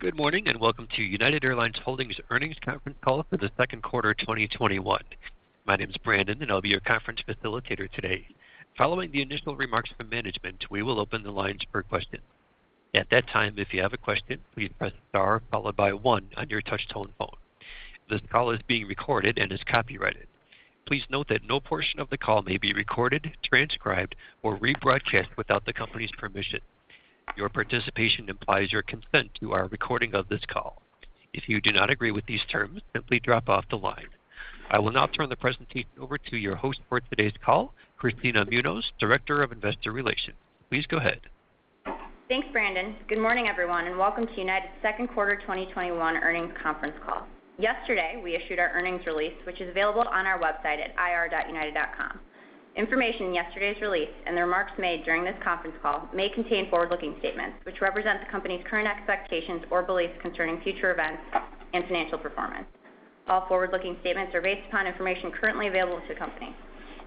Good morning, welcome to United Airlines Holdings Earnings Conference Call for the second quarter 2021. My name is Brandon, and I'll be your conference facilitator today. Following the initial remarks from management, we will open the lines for questions. At that time, if you have a question, please press star followed by one on your touch-tone phone. This call is being recorded and is copyrighted. Please note that no portion of the call may be recorded, transcribed, or rebroadcast without the company's permission. Your participation implies your consent to our recording of this call. If you do not agree with these terms, simply drop off the line. I will now turn the presentation over to your host for today's call, Kristina Munoz, Director of Investor Relations. Please go ahead. Thanks, Brandon. Good morning, everyone, and welcome to United's second quarter 2021 earnings conference call. Yesterday, we issued our earnings release, which is available on our website at ir.united.com. Information in yesterday's release and the remarks made during this conference call may contain forward-looking statements which represent the company's current expectations or beliefs concerning future events and financial performance. All forward-looking statements are based upon information currently available to the company.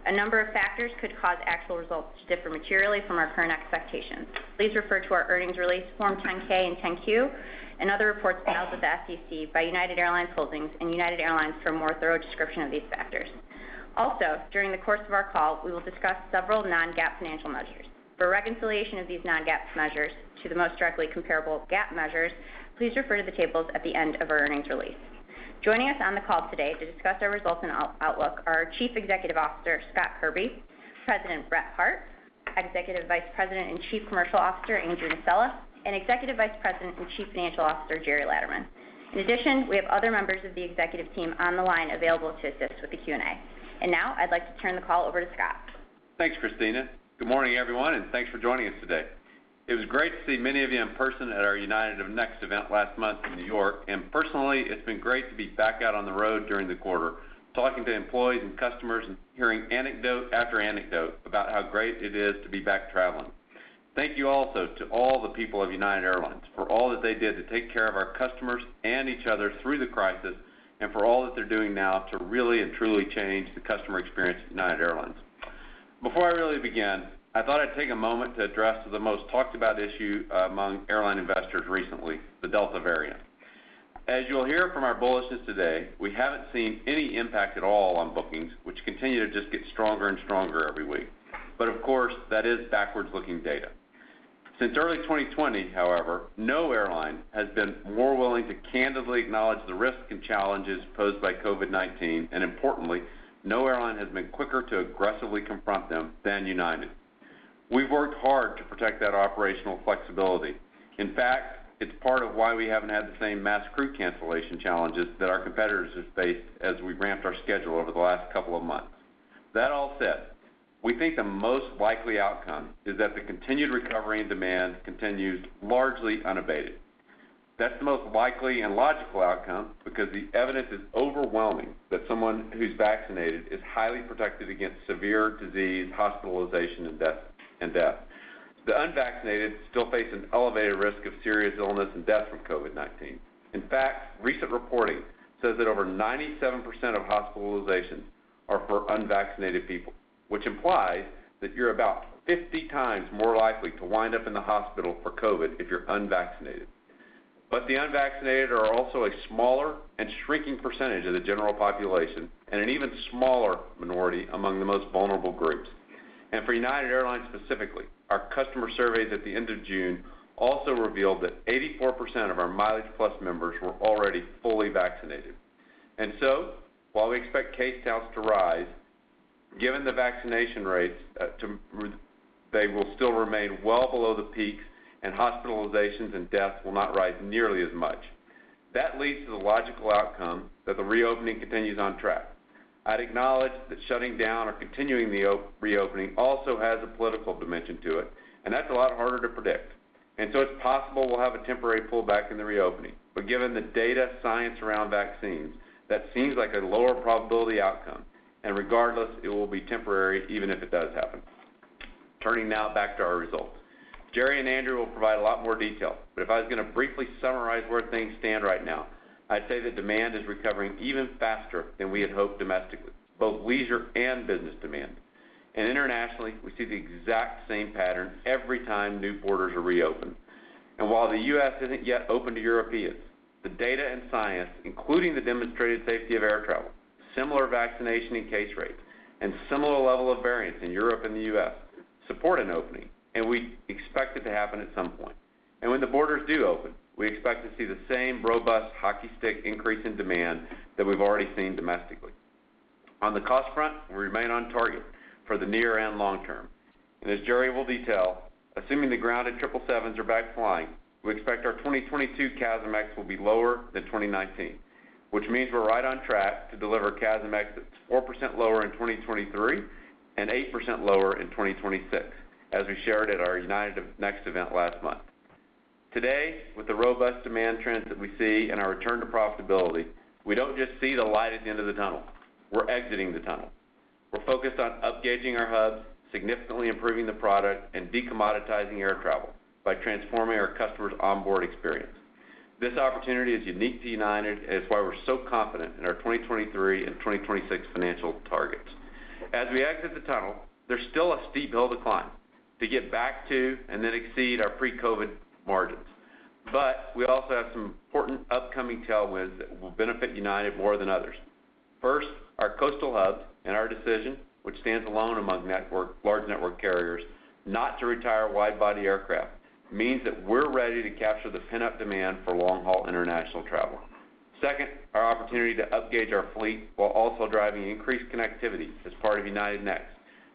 A number of factors could cause actual results to differ materially from our current expectations. Please refer to our earnings release, Form 10-K and 10-Q, and other reports filed with the SEC by United Airlines Holdings and United Airlines for a more thorough description of these factors. Also, during the course of our call, we will discuss several non-GAAP financial measures. For a reconciliation of these non-GAAP measures to the most directly comparable GAAP measures, please refer to the tables at the end of our earnings release. Joining us on the call today to discuss our results and outlook are Chief Executive Officer Scott Kirby, President Brett Hart, Executive Vice President and Chief Commercial Officer Andrew Nocella, and Executive Vice President and Chief Financial Officer Gerry Laderman. In addition, we have other members of the executive team on the line available to assist with the Q&A. Now I'd like to turn the call over to Scott. Thanks, Kristina. Good morning, everyone, and thanks for joining us today. It was great to see many of you in person at our United Next event last month in New York, and personally, it's been great to be back out on the road during the quarter talking to employees and customers and hearing anecdote after anecdote about how great it is to be back traveling. Thank you also to all the people of United Airlines for all that they did to take care of our customers and each other through the crisis, and for all that they're doing now to really and truly change the customer experience at United Airlines. Before I really begin, I thought I'd take a moment to address the most talked about issue among airline investors recently, the Delta variant. As you'll hear from our bosses today, we haven't seen any impact at all on bookings, which continue to just get stronger and stronger every week. Of course, that is backwards-looking data. Since early 2020, however, no airline has been more willing to candidly acknowledge the risks and challenges posed by COVID-19, and importantly, no airline has been quicker to aggressively confront them than United. We've worked hard to protect that operational flexibility. In fact, it's part of why we haven't had the same mass crew cancellation challenges that our competitors have faced as we ramped our schedule over the last couple of months. That all said, we think the most likely outcome is that the continued recovery and demand continues largely unabated. That's the most likely and logical outcome because the evidence is overwhelming that someone who's vaccinated is highly protected against severe disease, hospitalization, and death. The unvaccinated still face an elevated risk of serious illness and death from COVID-19. In fact, recent reporting says that over 97% of hospitalizations are for unvaccinated people, which implies that you're about 50 times more likely to wind up in the hospital for COVID if you're unvaccinated. The unvaccinated are also a smaller and shrinking percentage of the general population and an even smaller minority among the most vulnerable groups. For United Airlines specifically, our customer surveys at the end of June also revealed that 84% of our MileagePlus members were already fully vaccinated. While we expect case counts to rise, given the vaccination rates, they will still remain well below the peaks and hospitalizations and deaths will not rise nearly as much. That leads to the logical outcome that the reopening continues on track. I'd acknowledge that shutting down or continuing the reopening also has a political dimension to it, that's a lot harder to predict. It's possible we'll have a temporary pullback in the reopening. Given the data science around vaccines, that seems like a lower probability outcome, and regardless, it will be temporary even if it does happen. Turning now back to our results. Gerry and Andrew will provide a lot more detail, but if I was going to briefly summarize where things stand right now, I'd say the demand is recovering even faster than we had hoped domestically, both leisure and business demand. Internationally, we see the exact same pattern every time new borders are reopened. While the U.S. isn't yet open to Europeans, the data and science, including the demonstrated safety of air travel, similar vaccination and case rates, and similar level of variants in Europe and the U.S., support an opening, and we expect it to happen at some point. When the borders do open, we expect to see the same robust hockey stick increase in demand that we've already seen domestically. On the cost front, we remain on target for the near and long term. As Gerry will detail, assuming the grounded 777s are back flying, we expect our 2022 CASM-ex will be lower than 2019, which means we're right on track to deliver CASM-ex that's 4% lower in 2023 and 8% lower in 2026, as we shared at our United Next event last month. Today, with the robust demand trends that we see and our return to profitability, we don't just see the light at the end of the tunnel, we're exiting the tunnel. We're focused on upgauging our hubs, significantly improving the product, and decommoditizing air travel by transforming our customers' onboard experience. This opportunity is unique to United, and it's why we're so confident in our 2023 and 2026 financial targets. As we exit the tunnel, there's still a steep hill to climb to get back to and then exceed our pre-COVID margins. We also have some important upcoming tailwinds that will benefit United more than others. First, our coastal hubs and our decision, which stands alone among large network carriers, not to retire wide-body aircraft, means that we're ready to capture the pent-up demand for long-haul international travel. Second, our opportunity to upgauge our fleet while also driving increased connectivity as part of United Next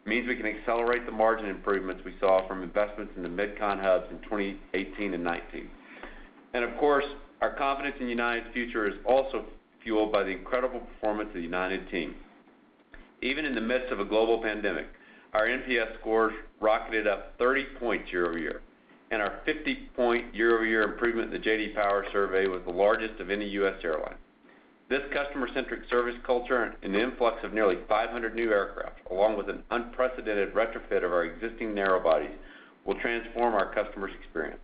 means we can accelerate the margin improvements we saw from investments in the mid-con hubs in 2018 and 2019. Of course, our confidence in United's future is also fueled by the incredible performance of the United team. Even in the midst of a global pandemic, our NPS scores rocketed up 30 points year-over-year, and our 50-point year-over-year improvement in the J.D. Power survey was the largest of any U.S. airline. This customer-centric service culture and an influx of nearly 500 new aircraft, along with an unprecedented retrofit of our existing narrow bodies, will transform our customers' experience.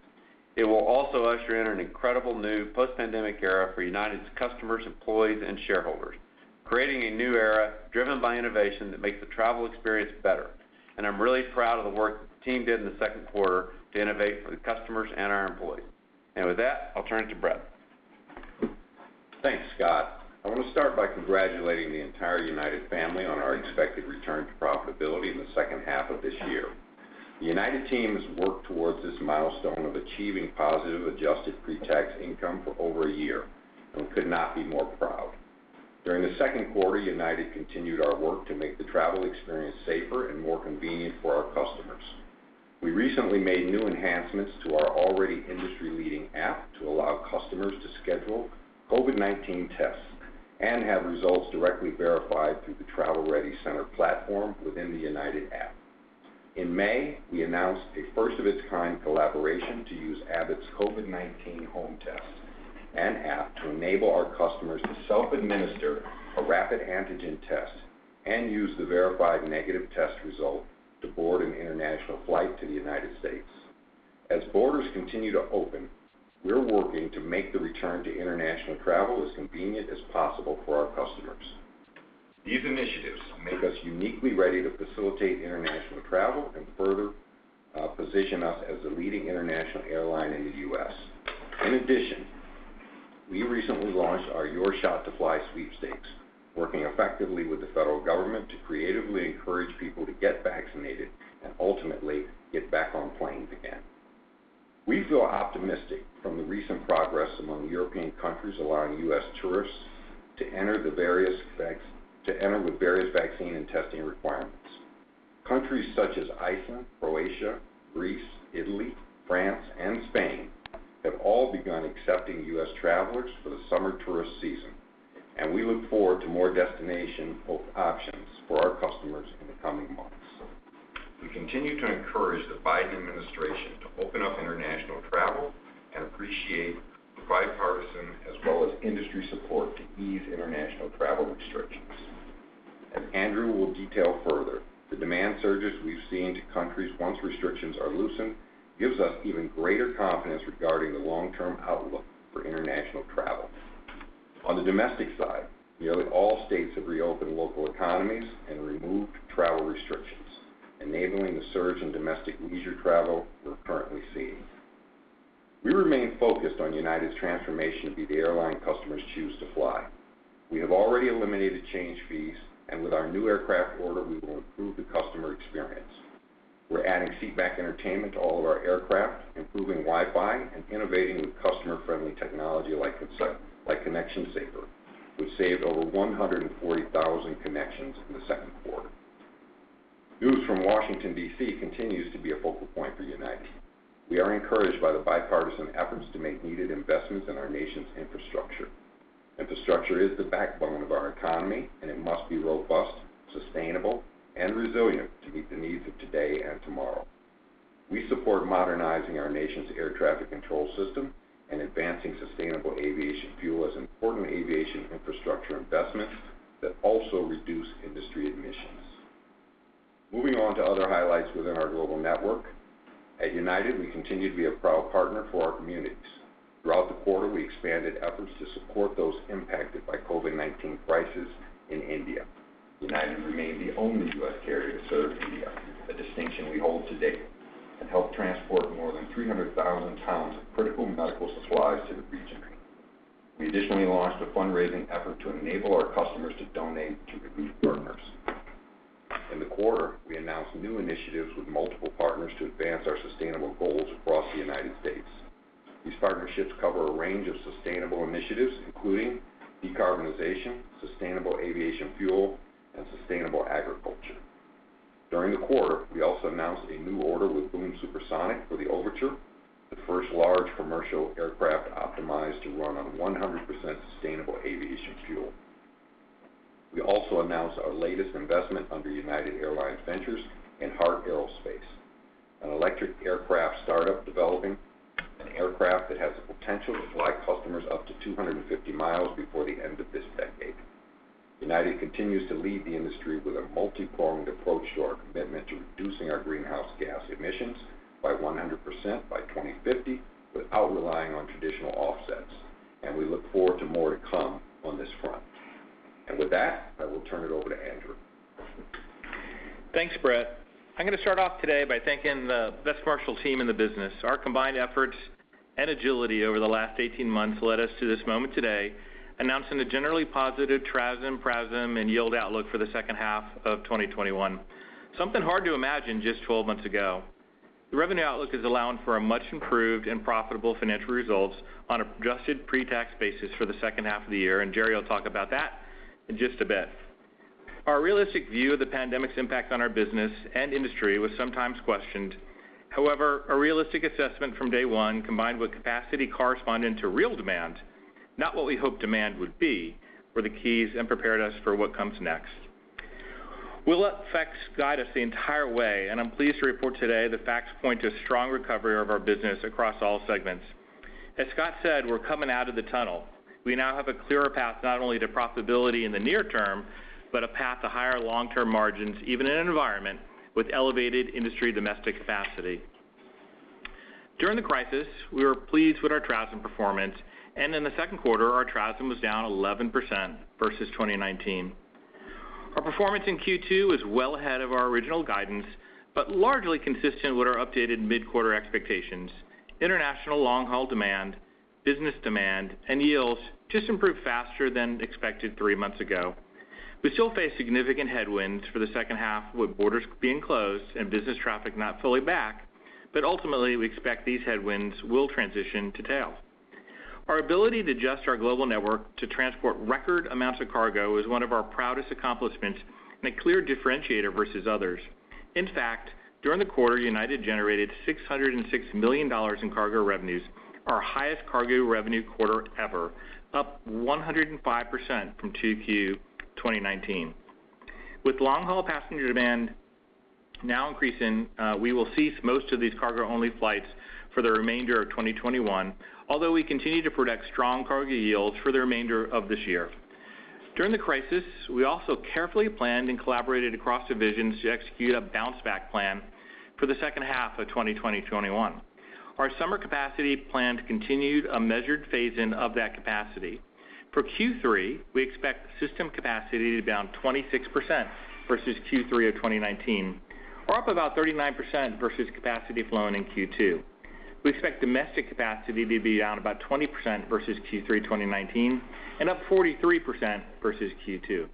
It will also usher in an incredible new post-pandemic era for United's customers, employees, and shareholders, creating a new era driven by innovation that makes the travel experience better. I'm really proud of the work the team did in the second quarter to innovate for the customers and our employees. With that, I'll turn it to Brett. Thanks, Scott. I want to start by congratulating the entire United family on our expected return to profitability in the second half of this year. The United team has worked towards this milestone of achieving positive adjusted pre-tax income for over a year, and we could not be more proud. During the second quarter, United continued our work to make the travel experience safer and more convenient for our customers. We recently made new enhancements to our already industry-leading app to allow customers to schedule COVID-19 tests and have results directly verified through the Travel-Ready Center platform within the United app. In May, we announced a first-of-its-kind collaboration to use Abbott's COVID-19 home test and app to enable our customers to self-administer a rapid antigen test and use the verified negative test result to board an international flight to the United States. As borders continue to open, we're working to make the return to international travel as convenient as possible for our customers. These initiatives make us uniquely ready to facilitate international travel and further position us as the leading international airline in the U.S. In addition, we recently launched our Your Shot to Fly sweepstakes, working effectively with the federal government to creatively encourage people to get vaccinated and ultimately get back on planes again. We feel optimistic from the recent progress among European countries allowing U.S. tourists to enter with various vaccine and testing requirements. Countries such as Iceland, Croatia, Greece, Italy, France, and Spain have all begun accepting U.S. travelers for the summer tourist season, and we look forward to more destination options for our customers in the coming months. We continue to encourage the Biden administration to open up international travel and appreciate the bipartisan as well as industry support to ease international travel restrictions. As Andrew will detail further, the demand surges we've seen to countries once restrictions are loosened gives us even greater confidence regarding the long-term outlook for international travel. On the domestic side, nearly all states have reopened local economies and removed travel restrictions, enabling the surge in domestic leisure travel we're currently seeing. We remain focused on United's transformation to be the airline customers choose to fly. We have already eliminated change fees, and with our new aircraft order, we will improve the customer experience. We're adding seat back entertainment to all of our aircraft, improving Wi-Fi, and innovating with customer-friendly technology like ConnectionSaver. We've saved over 140,000 connections in the second quarter. News from Washington, D.C. continues to be a focal point for United. We are encouraged by the bipartisan efforts to make needed investments in our nation's infrastructure. Infrastructure is the backbone of our economy, and it must be robust, sustainable, and resilient to meet the needs of today and tomorrow. We support modernizing our nation's air traffic control system and advancing sustainable aviation fuel as important aviation infrastructure investments that also reduce industry emissions. Moving on to other highlights within our global network. At United, we continue to be a proud partner for our communities. Throughout the quarter, we expanded efforts to support those impacted by COVID-19 crisis in India. United remained the only U.S. carrier to serve India, a distinction we hold today, and helped transport more than 300,000 pounds of critical medical supplies to the region. We additionally launched a fundraising effort to enable our customers to donate to relief partners. In the quarter, we announced new initiatives with multiple partners to advance our sustainable goals across the United States. These partnerships cover a range of sustainable initiatives, including decarbonization, sustainable aviation fuel, and sustainable agriculture. During the quarter, we also announced a new order with Boom Supersonic for the Overture, the first large commercial aircraft optimized to run on 100% sustainable aviation fuel. We also announced our latest investment under United Airlines Ventures in Heart Aerospace, an electric aircraft startup developing an aircraft that has the potential to fly customers up to 250 miles before the end of this decade. United continues to lead the industry with a multi-pronged approach to our commitment to reducing our greenhouse gas emissions by 100% by 2050 without relying on traditional offsets. We look forward to more to come on this front. With that, I will turn it over to Andrew. Thanks, Brett. I'm going to start off today by thanking the best commercial team in the business. Our combined efforts and agility over the last 18 months led us to this moment today, announcing the generally positive TRASM, PRASM, and yield outlook for the second half of 2021. Something hard to imagine just 12 months ago. The revenue outlook is allowing for a much improved and profitable financial results on an adjusted pre-tax basis for the second half of the year. Gerry will talk about that in just a bit. Our realistic view of the pandemic's impact on our business and industry was sometimes questioned. A realistic assessment from day one, combined with capacity corresponding to real demand, not what we hoped demand would be, were the keys and prepared us for what comes next. We'll let facts guide us the entire way, and I'm pleased to report today the facts point to a strong recovery of our business across all segments. As Scott said, we're coming out of the tunnel. We now have a clearer path not only to profitability in the near term, but a path to higher long-term margins, even in an environment with elevated industry domestic capacity. During the crisis, we were pleased with our TRASM performance, and in the second quarter, our TRASM was down 11% versus 2019. Our performance in Q2 is well ahead of our original guidance, but largely consistent with our updated mid-quarter expectations. International long-haul demand, business demand, and yields just improved faster than expected three months ago. We still face significant headwinds for the second half, with borders being closed and business traffic not fully back. Ultimately, we expect these headwinds will transition to tail. Our ability to adjust our global network to transport record amounts of cargo is one of our proudest accomplishments and a clear differentiator versus others. In fact, during the quarter, United generated $606 million in cargo revenues, our highest cargo revenue quarter ever, up 105% from 2Q 2019. With long-haul passenger demand now increasing, we will cease most of these cargo-only flights for the remainder of 2021, although we continue to predict strong cargo yields for the remainder of this year. During the crisis, we also carefully planned and collaborated across divisions to execute a bounce-back plan for the second half of 2021. Our summer capacity plan continued a measured phase-in of that capacity. For Q3, we expect system capacity to be down 26% versus Q3 of 2019, or up about 39% versus capacity flown in Q2. We expect domestic capacity to be down about 20% versus Q3 2019 and up 43% versus Q2.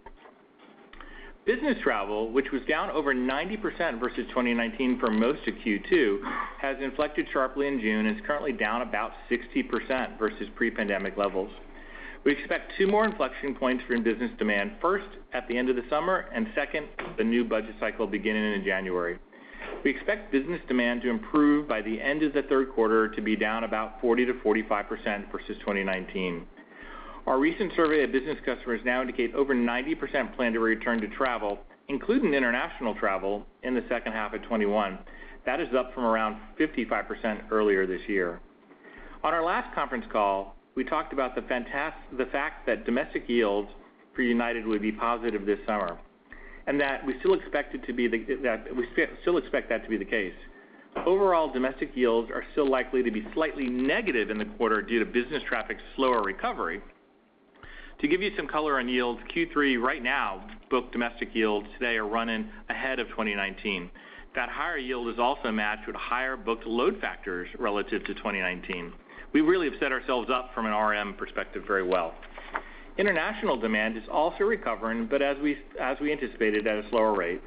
Business travel, which was down over 90% versus 2019 for most of Q2, has inflected sharply in June and is currently down about 60% versus pre-pandemic levels. We expect two more inflection points for business demand, first at the end of the summer and second, the new budget cycle beginning in January. We expect business demand to improve by the end of the third quarter to be down about 40%-45% versus 2019. Our recent survey of business customers now indicate over 90% plan to return to travel, including international travel, in the second half of 2021. That is up from around 55% earlier this year. On our last conference call, we talked about the fact that domestic yields for United would be positive this summer, and that we still expect that to be the case. Overall, domestic yields are still likely to be slightly negative in the quarter due to business traffic's slower recovery. To give you some color on yields, Q3 right now, booked domestic yields today are running ahead of 2019. That higher yield is also matched with higher booked load factors relative to 2019. We really have set ourselves up from an RM perspective very well. International demand is also recovering, but as we anticipated, at a slower rate.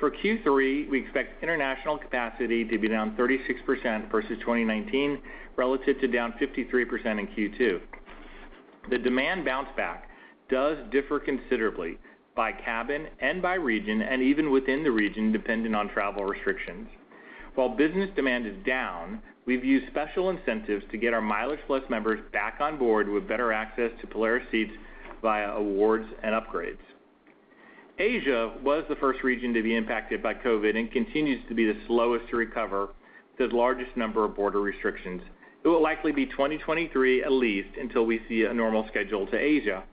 For Q3, we expect international capacity to be down 36% versus 2019, relative to down 53% in Q2. The demand bounce back does differ considerably by cabin and by region, and even within the region, depending on travel restrictions. While business demand is down, we've used special incentives to get our MileagePlus members back on board with better access to Polaris seats via awards and upgrades. Asia was the first region to be impacted by COVID and continues to be the slowest to recover with the largest number of border restrictions. It will likely be 2023 at least until we see a normal schedule to Asia.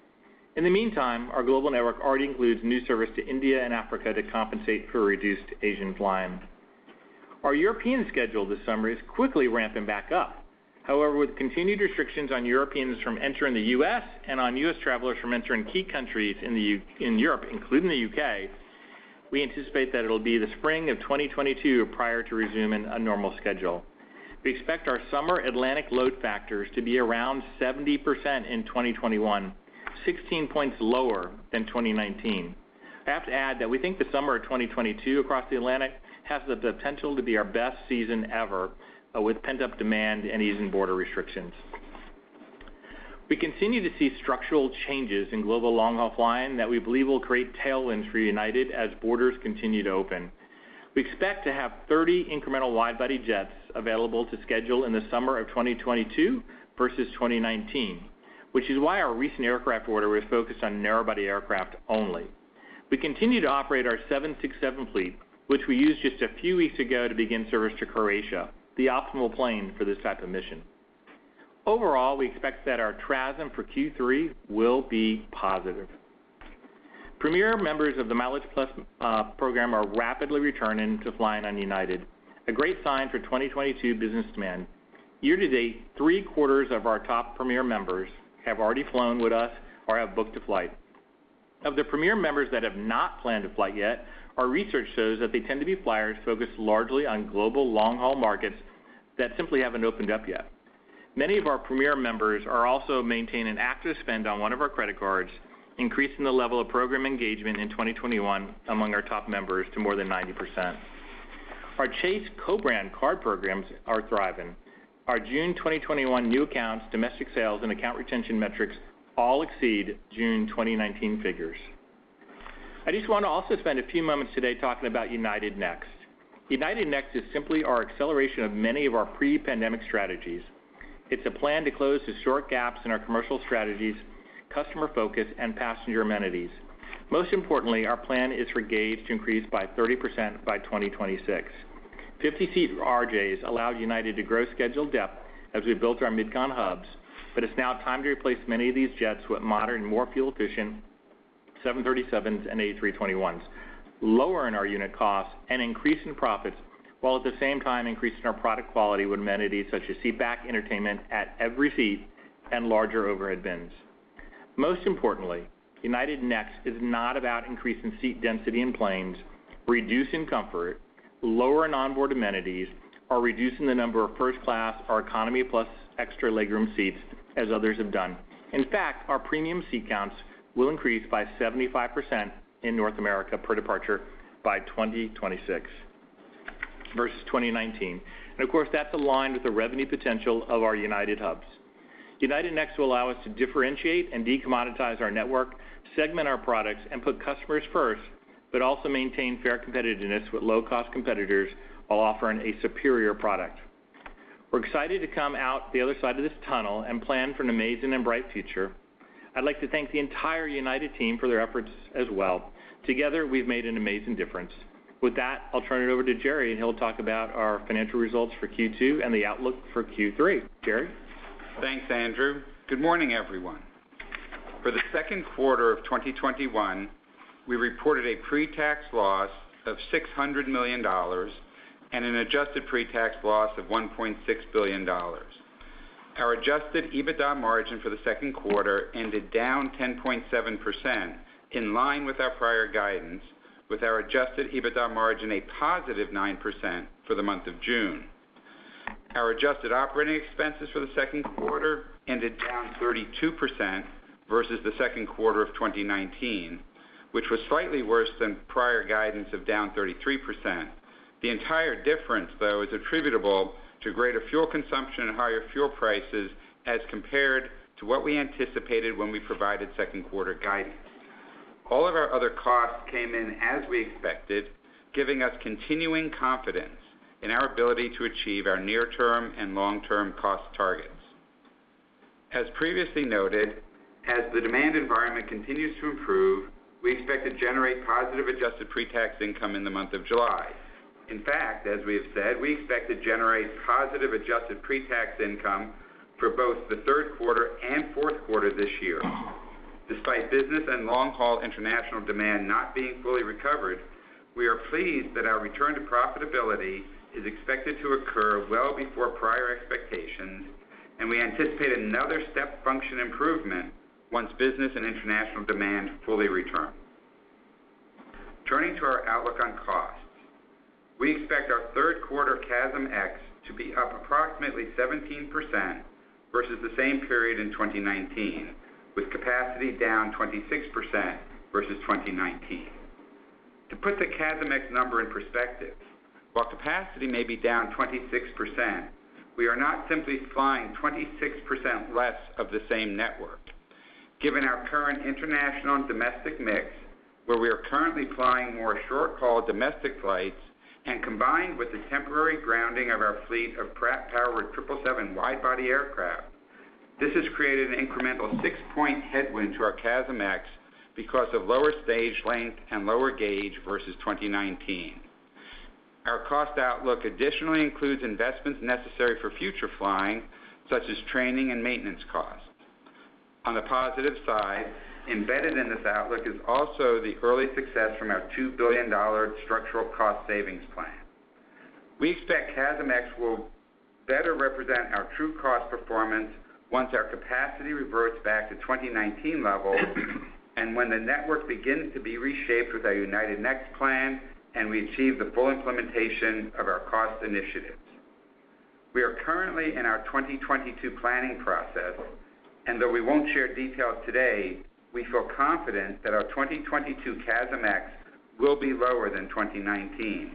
In the meantime, our global network already includes new service to India and Africa to compensate for reduced Asian flying. Our European schedule this summer is quickly ramping back up. However, with continued restrictions on Europeans from entering the U.S. and on U.S. travelers from entering key countries in Europe, including the U.K., we anticipate that it'll be the spring of 2022 prior to resuming a normal schedule. We expect our summer Atlantic load factors to be around 70% in 2021, 16 points lower than 2019. I have to add that we think the summer of 2022 across the Atlantic has the potential to be our best season ever with pent-up demand and easing border restrictions. We continue to see structural changes in global long-haul flying that we believe will create tailwinds for United as borders continue to open. We expect to have 30 incremental wide-body jets available to schedule in the summer of 2022 versus 2019, which is why our recent aircraft order is focused on narrow-body aircraft only. We continue to operate our 767 fleet, which we used just a few weeks ago to begin service to Croatia, the optimal plane for this type of mission. Overall, we expect that our TRASM for Q3 will be positive. Premier members of the MileagePlus program are rapidly returning to flying on United, a great sign for 2022 business demand. Year-to-date, three-quarters of our top Premier members have already flown with us or have booked a flight. Of the Premier members that have not planned a flight yet, our research shows that they tend to be flyers focused largely on global long-haul markets that simply haven't opened up yet. Many of our Premier members also maintain an active spend on one of our credit cards, increasing the level of program engagement in 2021 among our top members to more than 90%. Our Chase co-brand card programs are thriving. Our June 2021 new accounts, domestic sales, and account retention metrics all exceed June 2019 figures. I just want to also spend a few moments today talking about United Next. United Next is simply our acceleration of many of our pre-pandemic strategies. It's a plan to close historic gaps in our commercial strategies, customer focus, and passenger amenities. Most importantly, our plan is for gauge to increase by 30% by 2026. 50-seat RJs allow United Airlines to grow schedule depth as we built our mid-con hubs, but it's now time to replace many of these jets with modern, more fuel-efficient 737s and A321s, lowering our unit costs and increasing profits, while at the same time increasing our product quality with amenities such as seat back entertainment at every seat and larger overhead bins. Most importantly, United Next is not about increasing seat density in planes, reducing comfort, lowering onboard amenities, or reducing the number of first class or Economy Plus extra legroom seats, as others have done. In fact, our premium seat counts will increase by 75% in North America per departure by 2026 versus 2019. Of course, that's aligned with the revenue potential of our United hubs. United Next will allow us to differentiate and de-commoditize our network, segment our products, and put customers first, but also maintain fair competitiveness with low-cost competitors while offering a superior product. We're excited to come out the other side of this tunnel and plan for an amazing and bright future. I'd like to thank the entire United team for their efforts as well. Together, we've made an amazing difference. With that, I'll turn it over to Gerry, and he'll talk about our financial results for Q2 and the outlook for Q3. Gerry? Thanks, Andrew. Good morning, everyone. For the second quarter of 2021, we reported a pre-tax loss of $600 million and an adjusted pre-tax loss of $1.6 billion. Our adjusted EBITDA margin for the second quarter ended down 10.7%, in line with our prior guidance, with our adjusted EBITDA margin a positive 9% for the month of June. Our adjusted operating expenses for the second quarter ended down 32% versus the second quarter of 2019, which was slightly worse than prior guidance of down 33%. The entire difference, though, is attributable to greater fuel consumption and higher fuel prices as compared to what we anticipated when we provided second quarter guidance. All of our other costs came in as we expected, giving us continuing confidence in our ability to achieve our near-term and long-term cost targets. As previously noted, as the demand environment continues to improve, we expect to generate positive adjusted pre-tax income in the month of July. In fact, as we have said, we expect to generate positive adjusted pre-tax income for both the third quarter and fourth quarter this year. Despite business and long-haul international demand not being fully recovered, we are pleased that our return to profitability is expected to occur well before prior expectations, and we anticipate another step function improvement once business and international demand fully return. Turning to our outlook on costs, we expect our third quarter CASM-ex to be up approximately 17% versus the same period in 2019, with capacity down 26% versus 2019. To put the CASM-ex number in perspective, while capacity may be down 26%, we are not simply flying 26% less of the same network. Given our current international-domestic mix, where we are currently flying more short-haul domestic flights, and combined with the temporary grounding of our fleet of Pratt-powered 777 wide-body aircraft, this has created an incremental 6-point headwind to our CASM-ex because of lower stage length and lower gauge versus 2019. Our cost outlook additionally includes investments necessary for future flying, such as training and maintenance costs. On the positive side, embedded in this outlook is also the early success from our $2 billion structural cost savings plan. We expect CASM-ex will better represent our true cost performance once our capacity reverts back to 2019 levels and when the network begins to be reshaped with our United Next plan and we achieve the full implementation of our cost initiatives. We are currently in our 2022 planning process, though we won't share details today, we feel confident that our 2022 CASM-ex will be lower than 2019.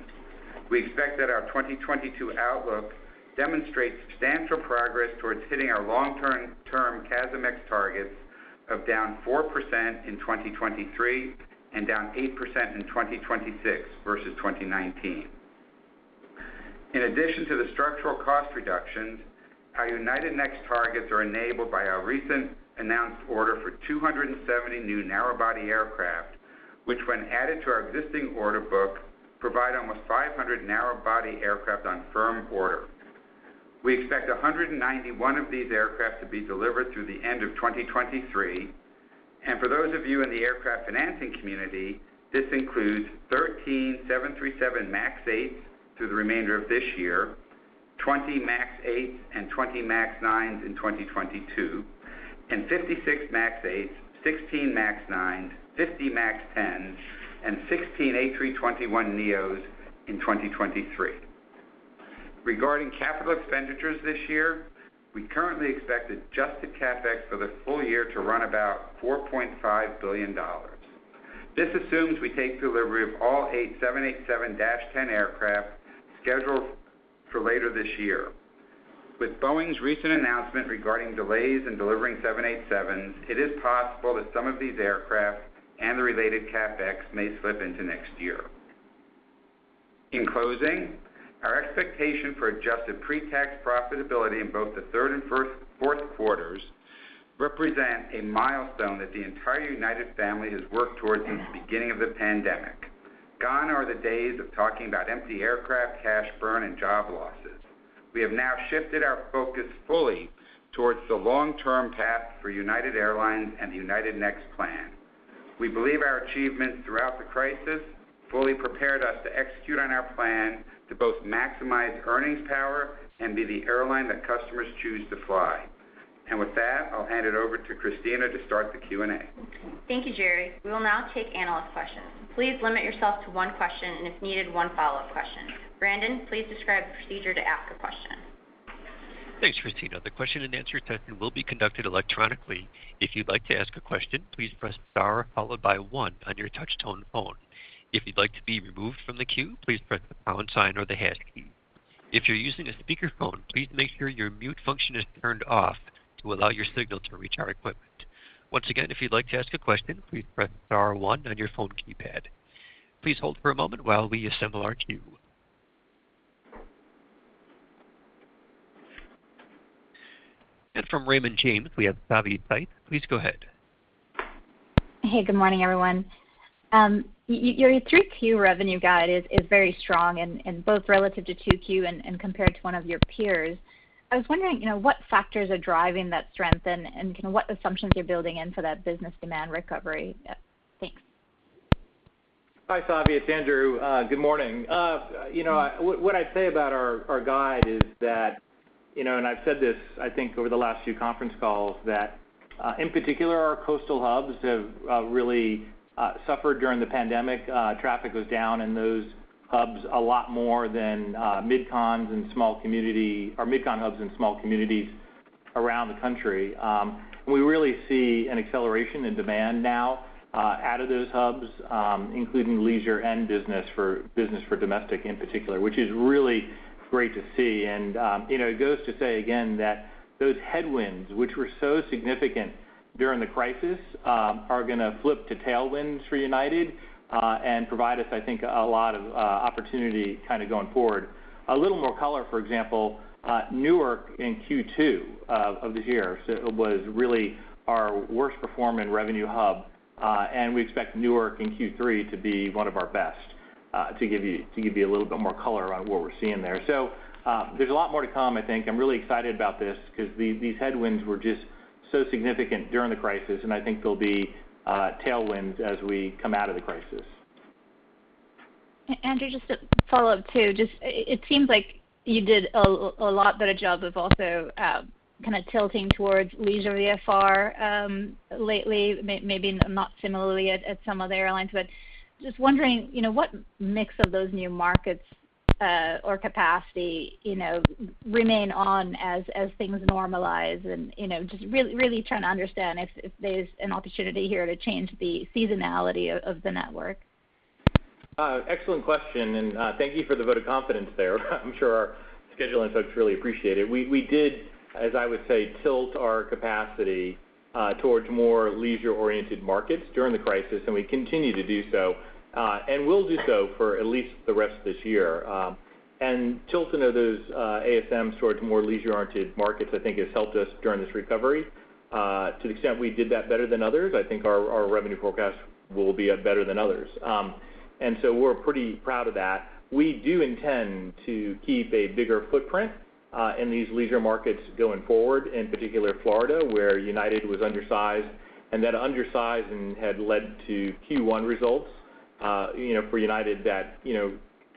We expect that our 2022 outlook demonstrates substantial progress towards hitting our long-term CASM-ex targets of down 4% in 2023 and down 8% in 2026 versus 2019. In addition to the structural cost reductions, our United Next targets are enabled by our recent announced order for 270 new narrow-body aircraft. Which when added to our existing order book, provide almost 500 narrow-body aircraft on firm order. We expect 191 of these aircraft to be delivered through the end of 2023. For those of you in the aircraft financing community, this includes 13 737 MAX 8s through the remainder of this year, 20 MAX 8s and 20 MAX 9s in 2022, and 56 MAX 8s, 16 MAX 9s, 50 MAX 10s, and 16 A321neos in 2023. Regarding capital expenditures this year, we currently expect adjusted CapEx for the full year to run about $4.5 billion. This assumes we take delivery of all 8 787-10 aircraft scheduled for later this year. With Boeing's recent announcement regarding delays in delivering 787s, it is possible that some of these aircraft and the related CapEx may slip into next year. In closing, our expectation for adjusted pre-tax profitability in both the third and fourth quarters represent a milestone that the entire United family has worked towards since the beginning of the pandemic. Gone are the days of talking about empty aircraft, cash burn, and job losses. We have now shifted our focus fully towards the long-term path for United Airlines and the United Next plan. We believe our achievements throughout the crisis fully prepared us to execute on our plan to both maximize earnings power and be the airline that customers choose to fly. With that, I'll hand it over to Kristina to start the Q&A. Thank you, Gerry. We will now take analyst questions. Please limit yourself to one question, and if needed, one follow-up question. Brandon, please describe the procedure to ask a question. Thanks, Kristina. The question and answer session will be conducted electronically. If you'd like to ask a question, please press star followed by one on you touch-tone phone. If you'd like to to be removed from the queue, please press the pound sign or the hash key. If you are using a speakerphone, please make sure your mute function is turned off to allow your signal to reach our equipment. Once again, if you'd like to ask a question, please press star one on your telephone keypad. Please hold for a moment while we assemble your queue. From Raymond James, we have Savanthi Syth. Please go ahead. Hey, good morning, everyone. Your 3Q revenue guide is very strong in both relative to 2Q and compared to one of your peers. I was wondering, what factors are driving that strength, and what assumptions you're building in for that business demand recovery? Yeah. Thanks. Hi, Savi. It's Andrew. Good morning. What I'd say about our guide is that, I've said this, I think, over the last few conference calls, that in particular, our coastal hubs have really suffered during the pandemic. Traffic was down in those hubs, a lot more than mid-con hubs and small communities around the country. We really see an acceleration in demand now out of those hubs, including leisure and business for domestic in particular, which is really great to see. It goes to say, again, that those headwinds, which were so significant during the crisis, are going to flip to tailwinds for United and provide us, I think, a lot of opportunity going forward. A little more color, for example, Newark in Q2 of this year, it was really our worst-performing revenue hub. We expect Newark in Q3 to be one of our best, to give you a little bit more color on what we're seeing there. There's a lot more to come, I think. I'm really excited about this because these headwinds were just so significant during the crisis, and I think there'll be tailwinds as we come out of the crisis. Andrew, just a follow-up, too. It seems like you did a lot better job of also kind of tilting towards leisure VFR lately. Maybe not similarly at some other airlines, but just wondering, what mix of those new markets or capacity remain on as things normalize and just really trying to understand if there's an opportunity here to change the seasonality of the network? Excellent question, and thank you for the vote of confidence there. I'm sure our scheduling folks really appreciate it. We did, as I would say, tilt our capacity towards more leisure-oriented markets during the crisis, and we continue to do so. We'll do so for at least the rest of this year. Tilting of those ASMs towards more leisure-oriented markets, I think, has helped us during this recovery. To the extent we did that better than others, I think our revenue forecast will be better than others. We're pretty proud of that. We do intend to keep a bigger footprint in these leisure markets going forward, in particular Florida, where United was undersized, and that undersizing had led to Q1 results for United that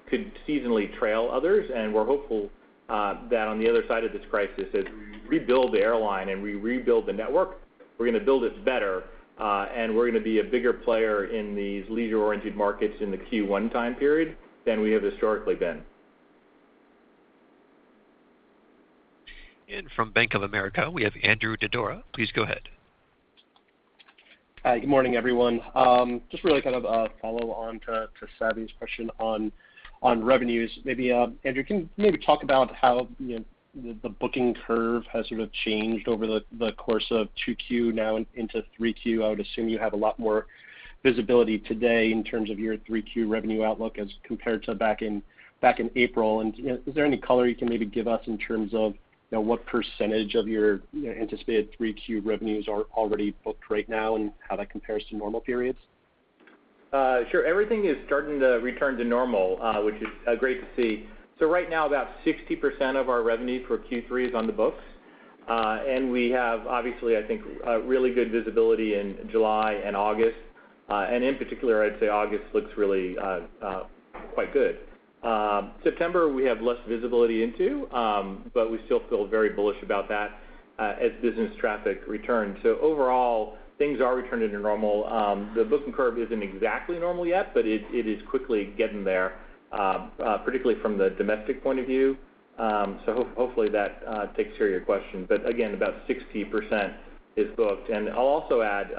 could seasonally trail others. We're hopeful that on the other side of this crisis, as we rebuild the airline and we rebuild the network, we're going to build it better. We're going to be a bigger player in these leisure-oriented markets in the Q1 time period than we have historically been. From Bank of America, we have Andrew Didora. Please go ahead. Hi. Good morning, everyone. Just really kind of a follow on to Savi's question on revenues. Maybe, Andrew, can you maybe talk about how the booking curve has sort of changed over the course of 2Q now into 3Q? I would assume you have a lot more visibility today in terms of your 3Q revenue outlook as compared to back in April. Is there any color you can maybe give us in terms of what percentage of your anticipated 3Q revenues are already booked right now, and how that compares to normal periods? Sure. Everything is starting to return to normal, which is great to see. Right now, about 60% of our revenue for Q3 is on the books. We have, obviously, I think, really good visibility in July and August. In particular, I'd say August looks really quite good. September, we have less visibility into, but we still feel very bullish about that as business traffic returns. Overall, things are returning to normal. The booking curve isn't exactly normal yet, but it is quickly getting there, particularly from the domestic point of view. Hopefully that takes care of your question. Again, about 60% is booked. I'll also add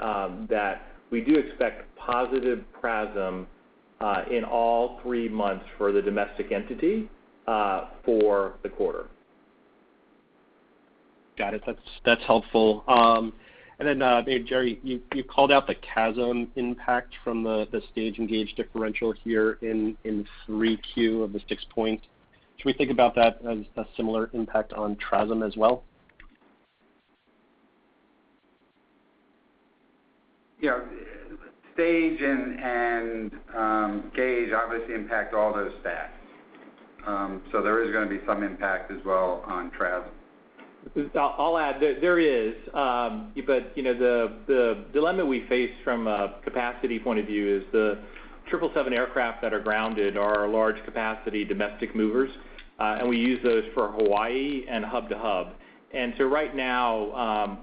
that we do expect positive PRASM in all three months for the domestic entity for the quarter. Got it. That's helpful. Gerry, you called out the CASM impact from the stage and gauge differential here in 3Q of the six points. Should we think about that as a similar impact on TRASM as well? Yeah. Stage and gauge obviously impact all those stats. There is going to be some impact as well on TRASM. I'll add, there is. The dilemma we face from a capacity point of view is the 777 aircraft that are grounded are our large capacity domestic movers, and we use those for Hawaii and hub to hub. Right now,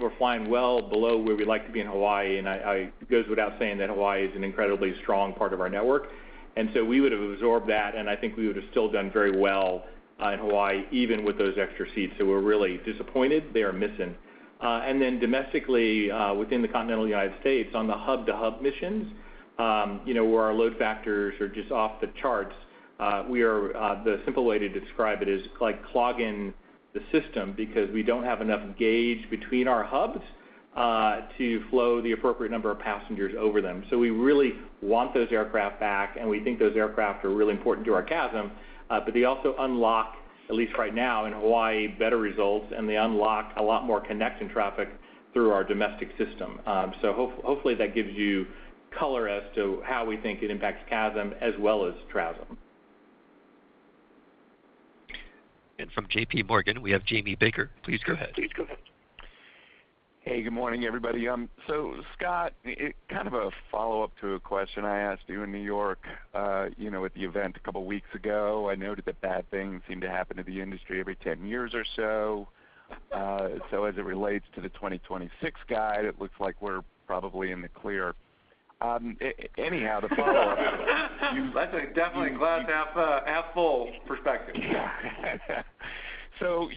we're flying well below where we'd like to be in Hawaii, and it goes without saying that Hawaii is an incredibly strong part of our network. We would've absorbed that, and I think we would've still done very well in Hawaii, even with those extra seats. We're really disappointed they are missing. Domestically, within the continental United States, on the hub to hub missions, where our load factors are just off the charts, the simple way to describe it is clogging the system because we don't have enough gauge between our hubs to flow the appropriate number of passengers over them. We really want those aircraft back, and we think those aircraft are really important to our CASM, but they also unlock, at least right now in Hawaii, better results, and they unlock a lot more connecting traffic through our domestic system. Hopefully that gives you color as to how we think it impacts CASM as well as TRASM. From JPMorgan, we have Jamie Baker. Please go ahead. Good morning, everybody. Scott, kind of a follow-up to a question I asked you in New York at the event a couple of weeks ago. I noted that bad things seem to happen to the industry every 10 years or so. As it relates to the 2026 guide, it looks like we're probably in the clear. That's a definitely glass half-full perspective.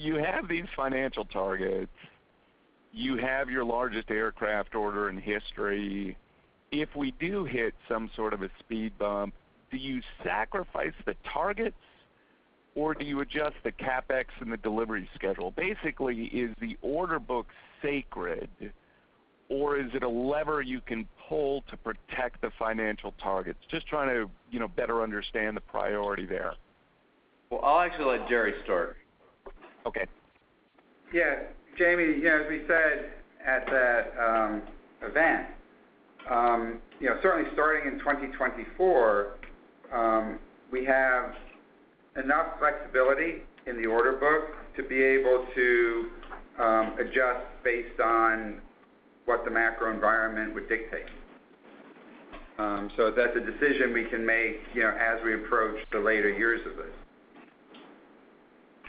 You have these financial targets, you have your largest aircraft order in history. If we do hit some sort of a speed bump, do you sacrifice the targets, or do you adjust the CapEx and the delivery schedule? Basically, is the order book sacred, or is it a lever you can pull to protect the financial targets? Just trying to better understand the priority there. Well, I'll actually let Gerry start. Okay. Jamie, as we said at that event, certainly starting in 2024, we have enough flexibility in the order book to be able to adjust based on what the macro environment would dictate. That's a decision we can make as we approach the later years of this.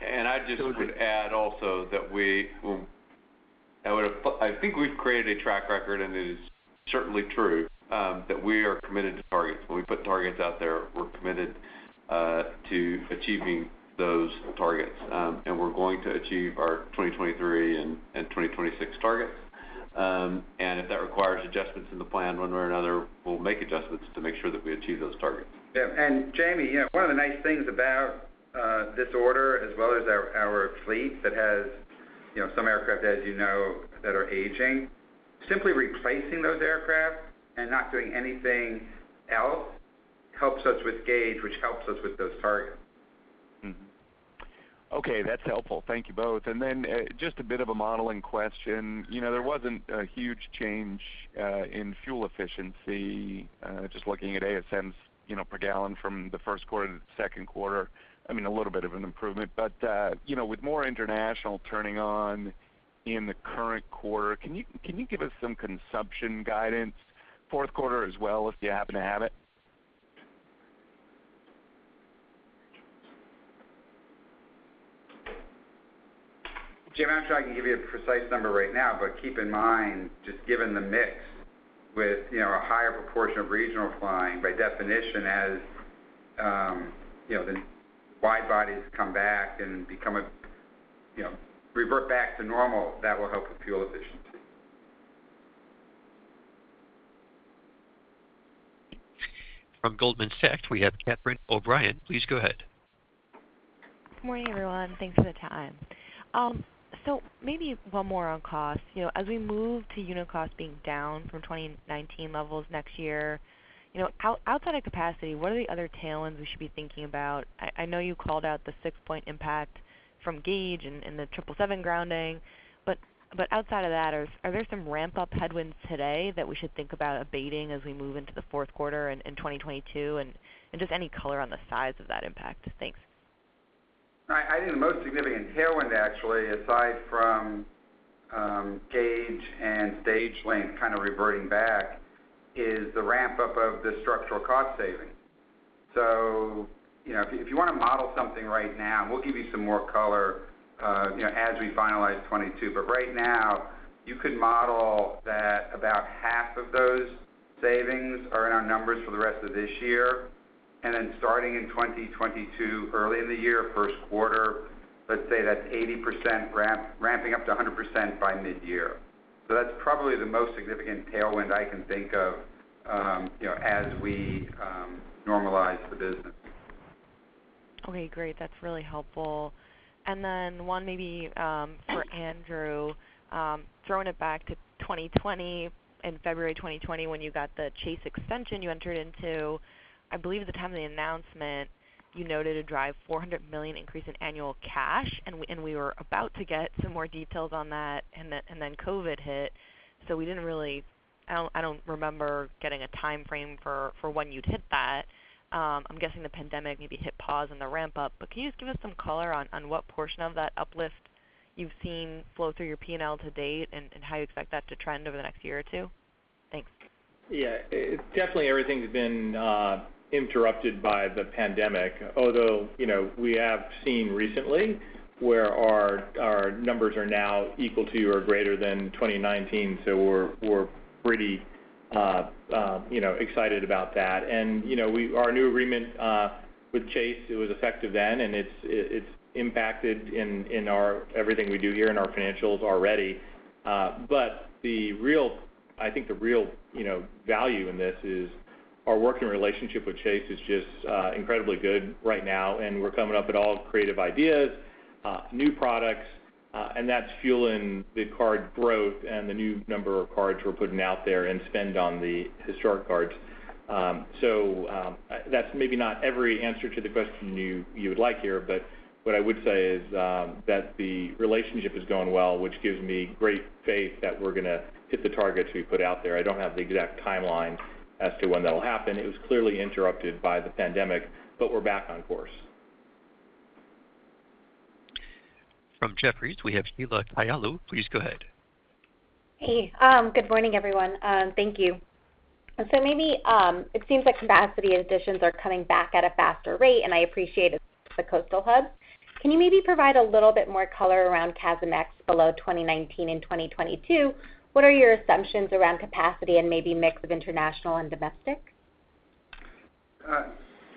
I just would add also that I think we've created a track record, and it is certainly true, that we are committed to targets. When we put targets out there, we're committed to achieving those targets. We're going to achieve our 2023 and 2026 targets. If that requires adjustments in the plan one way or another, we'll make adjustments to make sure that we achieve those targets. Yeah. Jamie, one of the nice things about this order as well as our fleet that has some aircraft, as you know, that are aging, simply replacing those aircraft and not doing anything else helps us with gauge, which helps us with those targets. Okay. That's helpful. Thank you both. Then, just a bit of a modeling question. There wasn't a huge change in fuel efficiency, just looking at ASMs per gallon from the first quarter to the second quarter. A little bit of an improvement, but with more international turning on in the current quarter, can you give us some consumption guidance, fourth quarter as well, if you happen to have it? Jamie, I'm not sure I can give you a precise number right now, but keep in mind, just given the mix with a higher proportion of regional flying, by definition, as the wide bodies come back and revert back to normal, that will help with fuel efficiency. From Goldman Sachs, we have Catherine O'Brien. Please go ahead. Good morning, everyone. Thanks for the time. Maybe one more on cost. As we move to unit cost being down from 2019 levels next year, outside of capacity, what are the other tailwinds we should be thinking about? I know you called out the six-point impact from gauge and the 777 grounding. Outside of that, are there some ramp-up headwinds today that we should think about abating as we move into the fourth quarter and in 2022, and just any color on the size of that impact. Thanks. I think the most significant tailwind actually, aside from gauge and stage length kind of reverting back, is the ramp-up of the structural cost saving. If you want to model something right now, we'll give you some more color as we finalize 2022. Right now, you could model that about half of those savings are in our numbers for the rest of this year. Then starting in 2022, early in the year, first quarter, let's say that's 80% ramping up to 100% by mid-year. That's probably the most significant tailwind I can think of as we normalize the business. Okay, great. That's really helpful. One maybe for Andrew. Throwing it back to 2020, in February 2020 when you got the Chase extension you entered into, I believe at the time of the announcement, you noted a drive $400 million increase in annual cash. We were about to get some more details on that and then COVID hit, I don't remember getting a timeframe for when you'd hit that. I'm guessing the pandemic maybe hit pause on the ramp-up. Can you just give us some color on what portion of that uplift you've seen flow through your P&L to date, and how you expect that to trend over the next year or two? Thanks. Yeah. Definitely everything's been interrupted by the pandemic. Although, we have seen recently where our numbers are now equal to or greater than 2019. We're pretty excited about that. Our new agreement with Chase, it was effective then, and it's impacted in everything we do here in our financials already. I think the real value in this is our working relationship with Chase is just incredibly good right now, and we're coming up with all creative ideas, new products, and that's fueling the card growth and the new number of cards we're putting out there and spend on the historic cards. That's maybe not every answer to the question you would like here, but what I would say is that the relationship is going well, which gives me great faith that we're going to hit the targets we put out there. I don't have the exact timeline as to when that'll happen. It was clearly interrupted by the pandemic, but we're back on course. From Jefferies, we have Sheila Kahyaoglu. Please go ahead. Hey. Good morning, everyone. Thank you. Maybe it seems like capacity additions are coming back at a faster rate, and I appreciate the coastal hub. Can you maybe provide a little bit more color around CASM-ex below 2019 and 2022? What are your assumptions around capacity and maybe mix of international and domestic?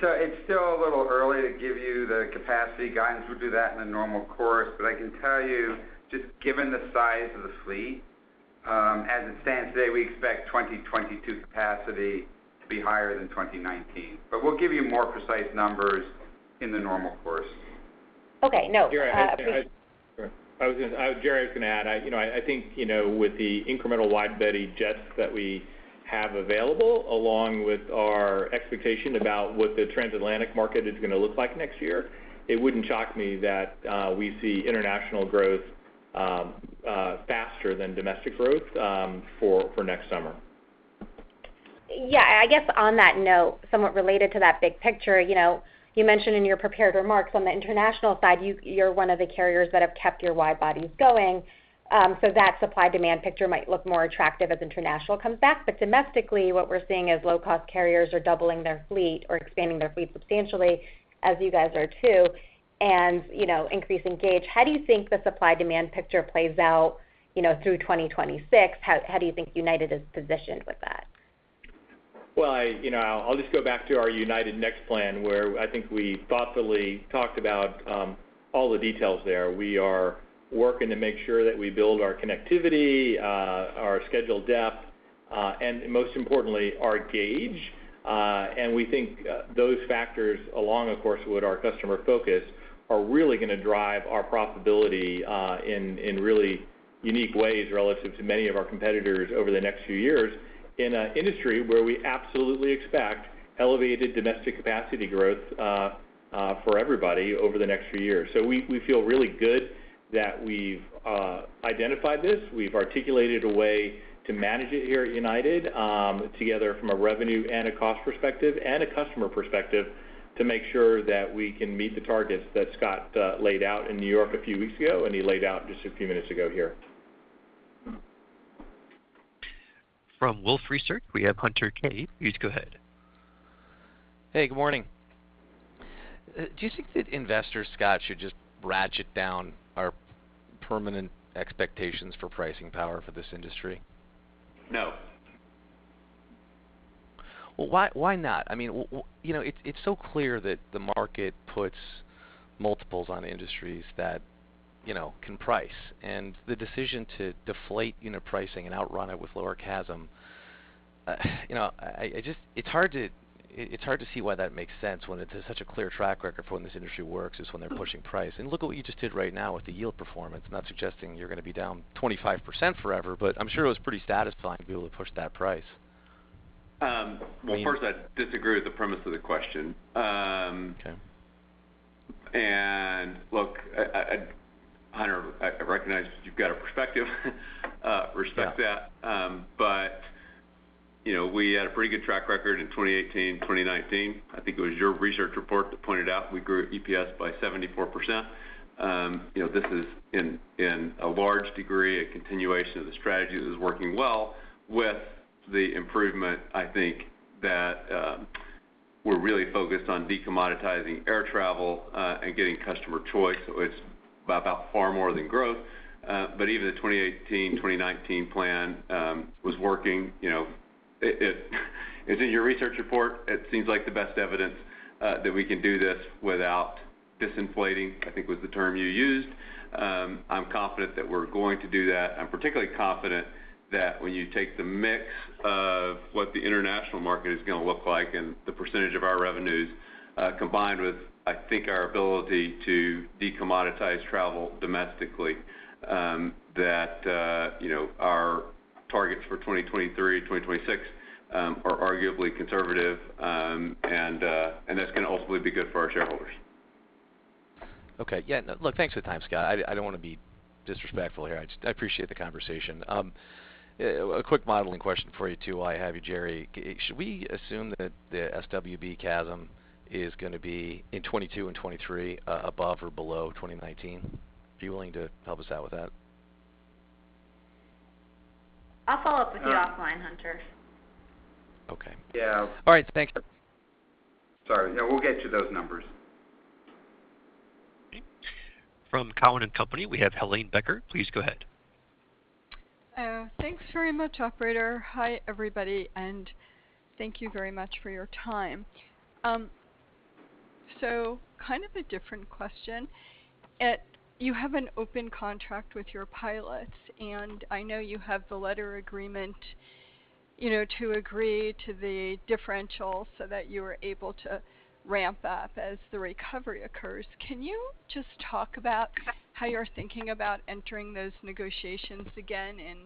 It's still a little early to give you the capacity guidance. We'll do that in a normal course. I can tell you, just given the size of the fleet, as it stands today, we expect 2022 capacity to be higher than 2019. We'll give you more precise numbers in the normal course. Okay. Gerry, I was going to add, I think, with the incremental wide-body jets that we have available, along with our expectation about what the transatlantic market is going to look like next year, it wouldn't shock me that we see international growth faster than domestic growth for next summer. Yeah. I guess on that note, somewhat related to that big picture, you mentioned in your prepared remarks on the international side, you're one of the carriers that have kept your wide-bodies going. So that supply-demand picture might look more attractive as international comes back, but domestically, what we're seeing is low-cost carriers are doubling their fleet or expanding their fleet substantially as you guys are, too, and increasing gauge. How do you think the supply-demand picture plays out through 2026? How do you think United is positioned with that? Well, I'll just go back to our United Next plan, where I think we thoughtfully talked about all the details there. We are working to make sure that we build our connectivity, our schedule depth, and most importantly, our gauge. We think those factors along, of course, with our customer focus, are really going to drive our profitability in really unique ways relative to many of our competitors over the next few years in an industry where we absolutely expect elevated domestic capacity growth for everybody over the next few years. We feel really good that we've identified this. We've articulated a way to manage it here at United together from a revenue and a cost perspective, and a customer perspective, to make sure that we can meet the targets that Scott laid out in New York a few weeks ago, and he laid out just a few minutes ago here. From Wolfe Research, we have Hunter Keay. Please go ahead. Hey, good morning. Do you think that investors, Scott, should just ratchet down our permanent expectations for pricing power for this industry? No. Well, why not? It's so clear that the market puts multiples on industries that can price. The decision to deflate pricing and outrun it with lower CASM, it's hard to see why that makes sense when it's such a clear track record for when this industry works is when they're pushing price. Look at what you just did right now with the yield performance. I'm not suggesting you're going to be down 25% forever, but I'm sure it was pretty satisfying to be able to push that price. Well, first, I disagree with the premise of the question. Okay. Look, Hunter, I recognize that you've got a perspective. Respect that. We had a pretty good track record in 2018, 2019. I think it was your research report that pointed out we grew EPS by 74%. This is, in a large degree, a continuation of the strategy that is working well with the improvement, I think, that we're really focused on de-commoditizing air travel and getting customer choice. It's about far more than growth. Even the 2018, 2019 plan was working. It's in your research report. It seems like the best evidence that we can do this without disinflating, I think was the term you used. I'm confident that we're going to do that. I'm particularly confident that when you take the mix of what the international market is going to look like and the percentage of our revenues, combined with, I think, our ability to de-commoditize travel domestically, that our targets for 2023, 2026 are arguably conservative. That's going to ultimately be good for our shareholders. Okay. Yeah, look, thanks for the time, Scott. I don't want to be disrespectful here. I appreciate the conversation. A quick modeling question for you, too, while I have you, Gerry. Should we assume that the SWB CASM is going to be, in 2022 and 2023, above or below 2019? Are you willing to help us out with that? I'll follow up with you offline, Hunter. Okay. Yeah. All right. Thanks. Sorry. No, we'll get you those numbers. From Cowen and Company, we have Helane Becker. Please go ahead. Thanks very much, operator. Hi, everybody, and thank you very much for your time. Kind of a different question. You have an open contract with your pilots, and I know you have the letter agreement to agree to the differential so that you are able to ramp up as the recovery occurs. Can you just talk about how you're thinking about entering those negotiations again in,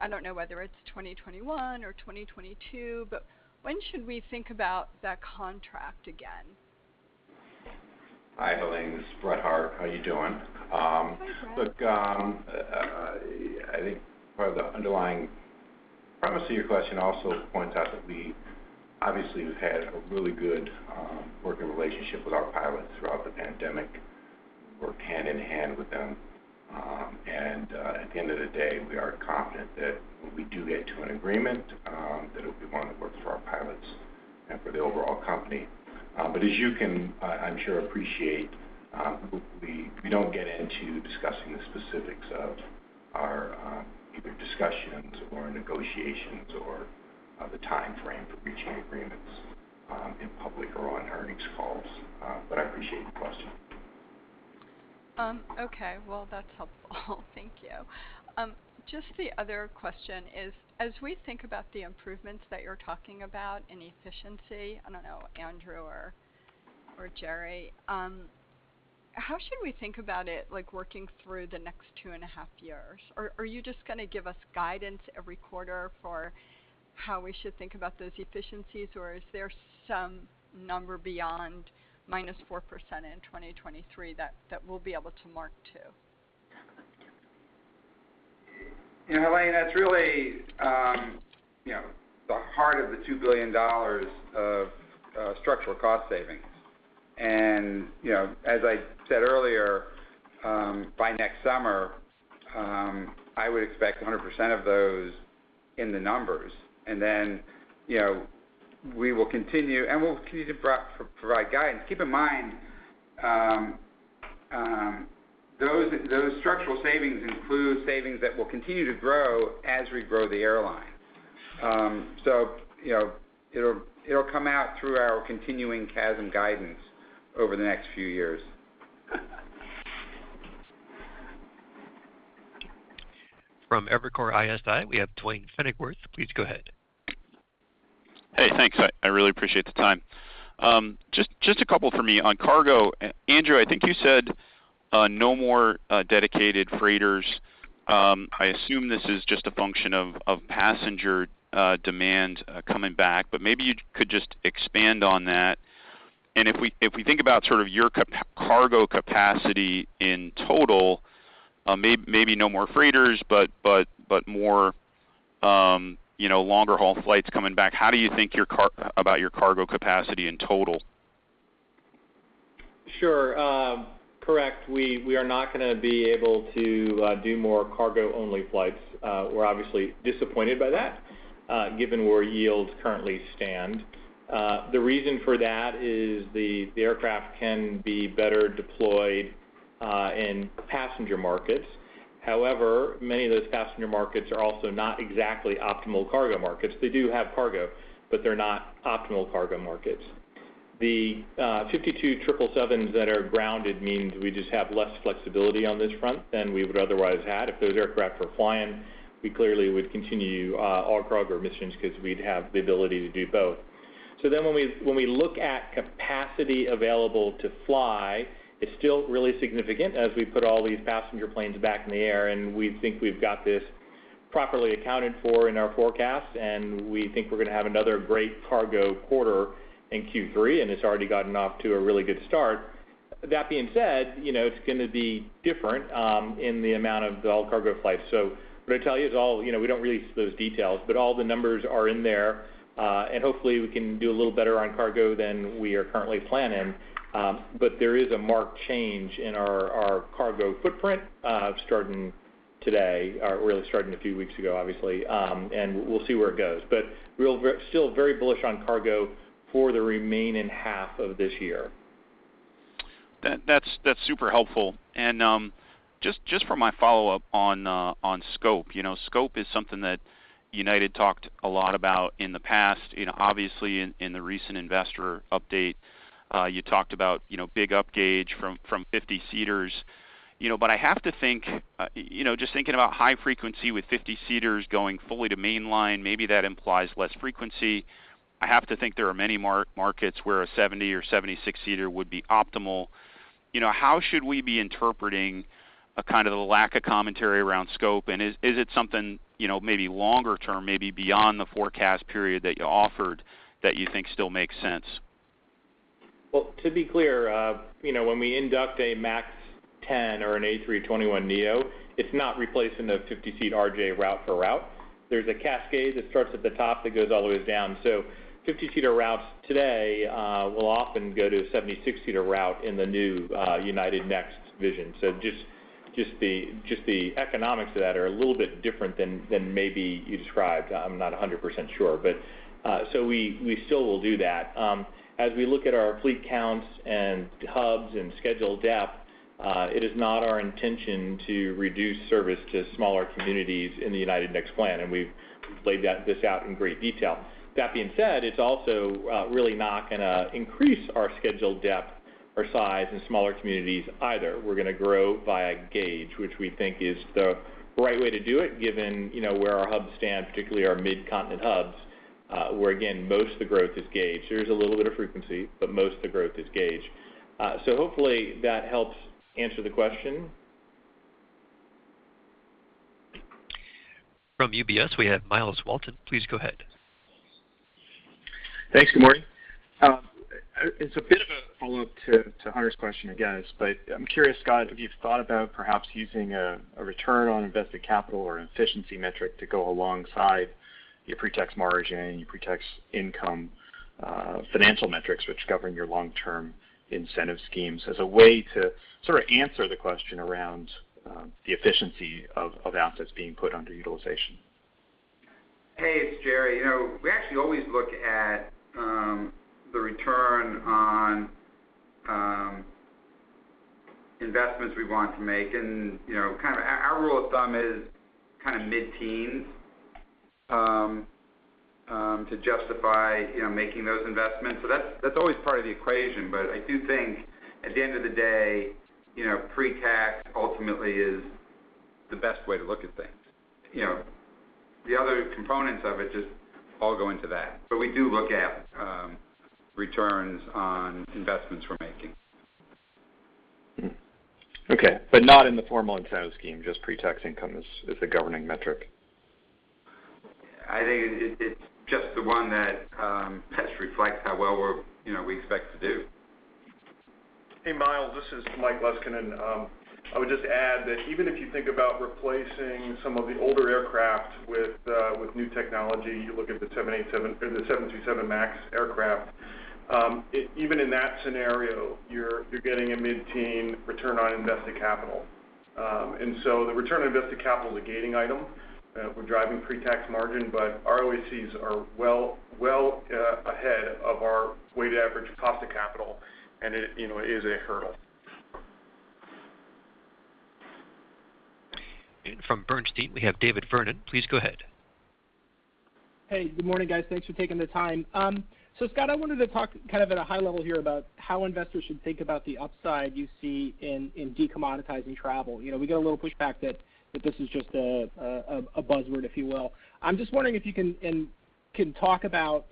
I don't know whether it's 2021 or 2022, but when should we think about that contract again? Hi, Helane. This is Brett Hart. How are you doing? Hi, Brett. Look, I think part of the underlying premise of your question also points out that we obviously have had a really good working relationship with our pilots throughout the pandemic. Worked hand-in-hand with them. At the end of the day, we are confident that when we do get to an agreement, that it'll be one that works for our pilots and for the overall company. As you can, I'm sure, appreciate, we don't get into discussing the specifics of either discussions or negotiations or the timeframe for reaching agreements in public or on earnings calls. I appreciate the question. Okay. Well, that's helpful. Thank you. Just the other question is, as we think about the improvements that you're talking about in efficiency, I don't know, Andrew or Gerry, how should we think about it working through the next two and a half years? Are you just going to give us guidance every quarter for how we should think about those efficiencies, or is there some number beyond minus 4% in 2023 that we'll be able to mark to? Helane, that's really the heart of the $2 billion of structural cost savings. As I said earlier, by next summer, I would expect 100% of those in the numbers. Then we will continue and we'll continue to provide guidance. Keep in mind, those structural savings include savings that will continue to grow as we grow the airline. It'll come out through our continuing CASM guidance over the next few years. From Evercore ISI, we have Duane Pfennigwerth. Please go ahead. Hey, thanks. I really appreciate the time. Just a couple from me. On cargo, Andrew, I think you said no more dedicated freighters. I assume this is just a function of passenger demand coming back, but maybe you could just expand on that. If we think about your cargo capacity in total, maybe no more freighters, but more longer-haul flights coming back. How do you think about your cargo capacity in total? Sure. Correct. We are not going to be able to do more cargo-only flights. We're obviously disappointed by that given where yields currently stand. The reason for that is the aircraft can be better deployed in passenger markets. Many of those passenger markets are also not exactly optimal cargo markets. They do have cargo, but they're not optimal cargo markets. The 52 777s that are grounded means we just have less flexibility on this front than we would otherwise had. If those aircraft were flying, we clearly would continue our cargo missions because we'd have the ability to do both. When we look at capacity available to fly, it's still really significant as we put all these passenger planes back in the air, and we think we've got this properly accounted for in our forecast, and we think we're going to have another great cargo quarter in Q3, and it's already gotten off to a really good start. That being said, it's going to be different in the amount of all cargo flights. What I tell you is we don't release those details, but all the numbers are in there. Hopefully we can do a little better on cargo than we are currently planning. There is a marked change in our cargo footprint starting today, or really starting a few weeks ago, obviously. We'll see where it goes. We're still very bullish on cargo for the remaining half of this year. That's super helpful. Just for my follow-up on scope. Scope is something that United talked a lot about in the past. Obviously, in the recent investor update, you talked about big upgauge from 50-seaters. I have to think, just thinking about high frequency with 50-seaters going fully to mainline, maybe that implies less frequency. I have to think there are many markets where a 70-seater or 76-seater would be optimal. How should we be interpreting a kind of lack of commentary around scope? Is it something maybe longer term, maybe beyond the forecast period that you offered that you think still makes sense? Well, to be clear, when we induct a MAX 10 or an A321neo, it's not replacing the 50-seat RJ route for route. There's a cascade that starts at the top that goes all the way down. 50-seater routes today will often go to a 76-seater route in the new United Next vision. Just the economics of that are a little bit different than maybe you described. I'm not 100% sure. We still will do that. As we look at our fleet counts and hubs and schedule depth, it is not our intention to reduce service to smaller communities in the United Next plan, and we've laid this out in great detail. That being said, it's also really not going to increase our schedule depth or size in smaller communities either. We're going to grow via gauge, which we think is the right way to do it given where our hubs stand, particularly our mid-continent hubs, where, again, most of the growth is gauge. There is a little bit of frequency, but most of the growth is gauge. Hopefully that helps answer the question. From UBS, we have Myles Walton. Please go ahead. Thanks. Good morning. It's a bit of a follow-up to Hunter's question, I guess, but I'm curious, Scott, if you've thought about perhaps using a return on invested capital or an efficiency metric to go alongside your pre-tax margin, your pre-tax income financial metrics which govern your long-term incentive schemes as a way to sort of answer the question around the efficiency of assets being put under utilization. Hey, it's Gerry. We actually always look at the return on investments we want to make, and kind of our rule of thumb is kind of mid-teens to justify making those investments. That's always part of the equation. I do think, at the end of the day, pre-tax ultimately is the best way to look at things. The other components of it just all go into that. We do look at returns on investments we're making. Okay, not in the formal incentive scheme, just pre-tax income as the governing metric. I think it's just the one that best reflects how well we expect to do. Hey, Myles. This is Mike Leskinen, and I would just add that even if you think about replacing some of the older aircraft with new technology, you look at the 737 MAX aircraft. Even in that scenario, you're getting a mid-teen return on invested capital. The return on invested capital is a gating item. We're driving pre-tax margin, but ROICs are well ahead of our weighted average cost of capital, and it is a hurdle. From Bernstein, we have David Vernon. Please go ahead. Hey. Good morning, guys. Thanks for taking the time. Scott, I wanted to talk kind of at a high level here about how investors should think about the upside you see in de-commoditizing travel. We get a little pushback that this is just a buzzword, if you will. I'm just wondering if you can talk about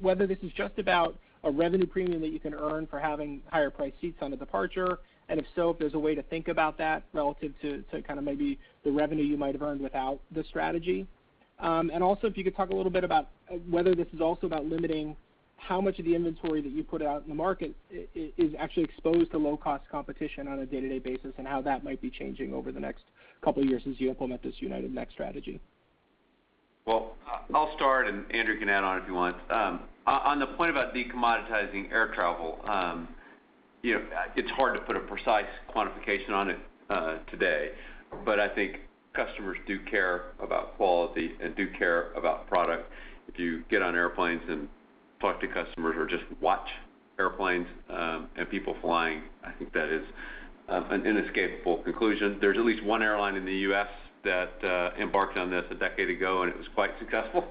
whether this is just about a revenue premium that you can earn for having higher priced seats on a departure, and if so, if there's a way to think about that relative to kind of maybe the revenue you might have earned without the strategy? Also, if you could talk a little bit about whether this is also about limiting how much of the inventory that you put out in the market is actually exposed to low-cost competition on a day-to-day basis, and how that might be changing over the next couple years as you implement this United Next strategy. Well, I'll start, and Andrew can add on if you want. On the point about de-commoditizing air travel, it's hard to put a precise quantification on it today. I think customers do care about quality and do care about product. If you get on airplanes and talk to customers or just watch airplanes and people flying, I think that is an inescapable conclusion. There's at least one airline in the U.S. that embarked on this a decade ago, and it was quite successful.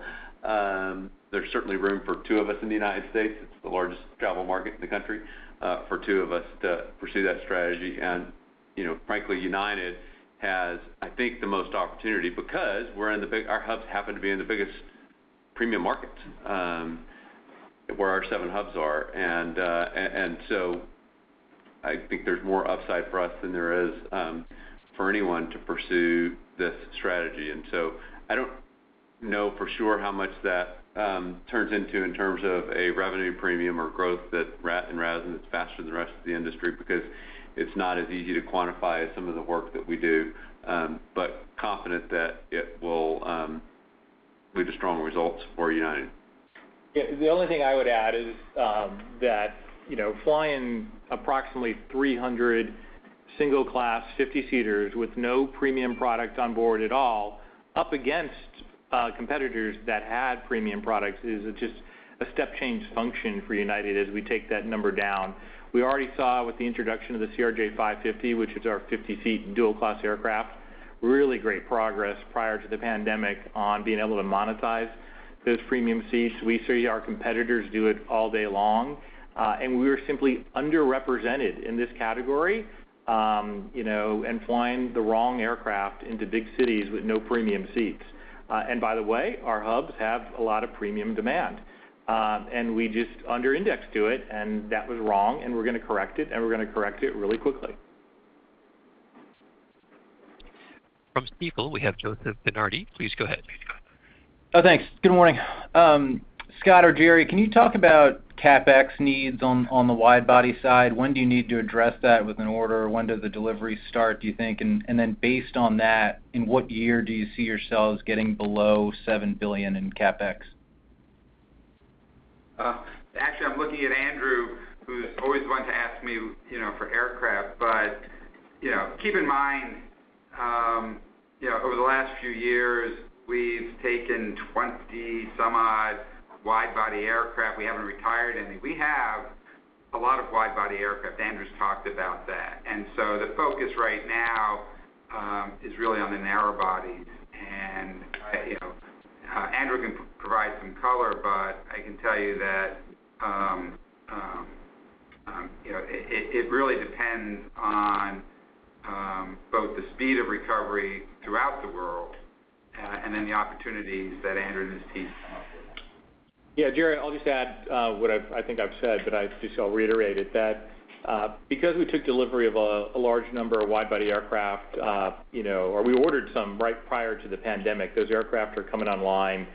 There's certainly room for two of us in the United States. It's the largest travel market in the country for two of us to pursue that strategy. Frankly, United has, I think, the most opportunity because our hubs happen to be in the biggest premium markets, where our seven hubs are. I think there's more upside for us than there is for anyone to pursue this strategy. I don't know for sure how much that turns into in terms of a revenue premium or growth in RASM that's faster than the rest of the industry because it's not as easy to quantify as some of the work that we do, but confident that it will lead to strong results for United. Yeah. The only thing I would add is that flying approximately 300 single class 50-seaters with no premium product on board at all up against competitors that had premium products is just a step change function for United as we take that number down. We already saw with the introduction of the CRJ-550, which is our 50-seat dual-class aircraft, really great progress prior to the pandemic on being able to monetize those premium seats. We see our competitors do it all day long, and we were simply underrepresented in this category, and flying the wrong aircraft into big cities with no premium seats. By the way, our hubs have a lot of premium demand. We just under-indexed to it, and that was wrong, and we're going to correct it, and we're going to correct it really quickly. From Stifel, we have Joseph DeNardi. Please go ahead. Oh, thanks. Good morning. Scott or Gerry, can you talk about CapEx needs on the wide body side? When do you need to address that with an order? When does the delivery start, do you think? Based on that, in what year do you see yourselves getting below $7 billion in CapEx? Actually, I'm looking at Andrew, who's always one to ask me for aircraft. Keep in mind, over the last few years, we've taken 20-some odd wide-body aircraft. We haven't retired any. We have a lot of wide-body aircraft. Andrew's talked about that. The focus right now is really on the narrow-bodies. Andrew can provide some color, but I can tell you that it really depends on both the speed of recovery throughout the world and then the opportunities that Andrew and his team come up with. Gerry, I'll just add what I think I've said, but I just reiterate it, that because we took delivery of a large number of wide body aircraft, or we ordered some right prior to the pandemic, those aircraft are coming online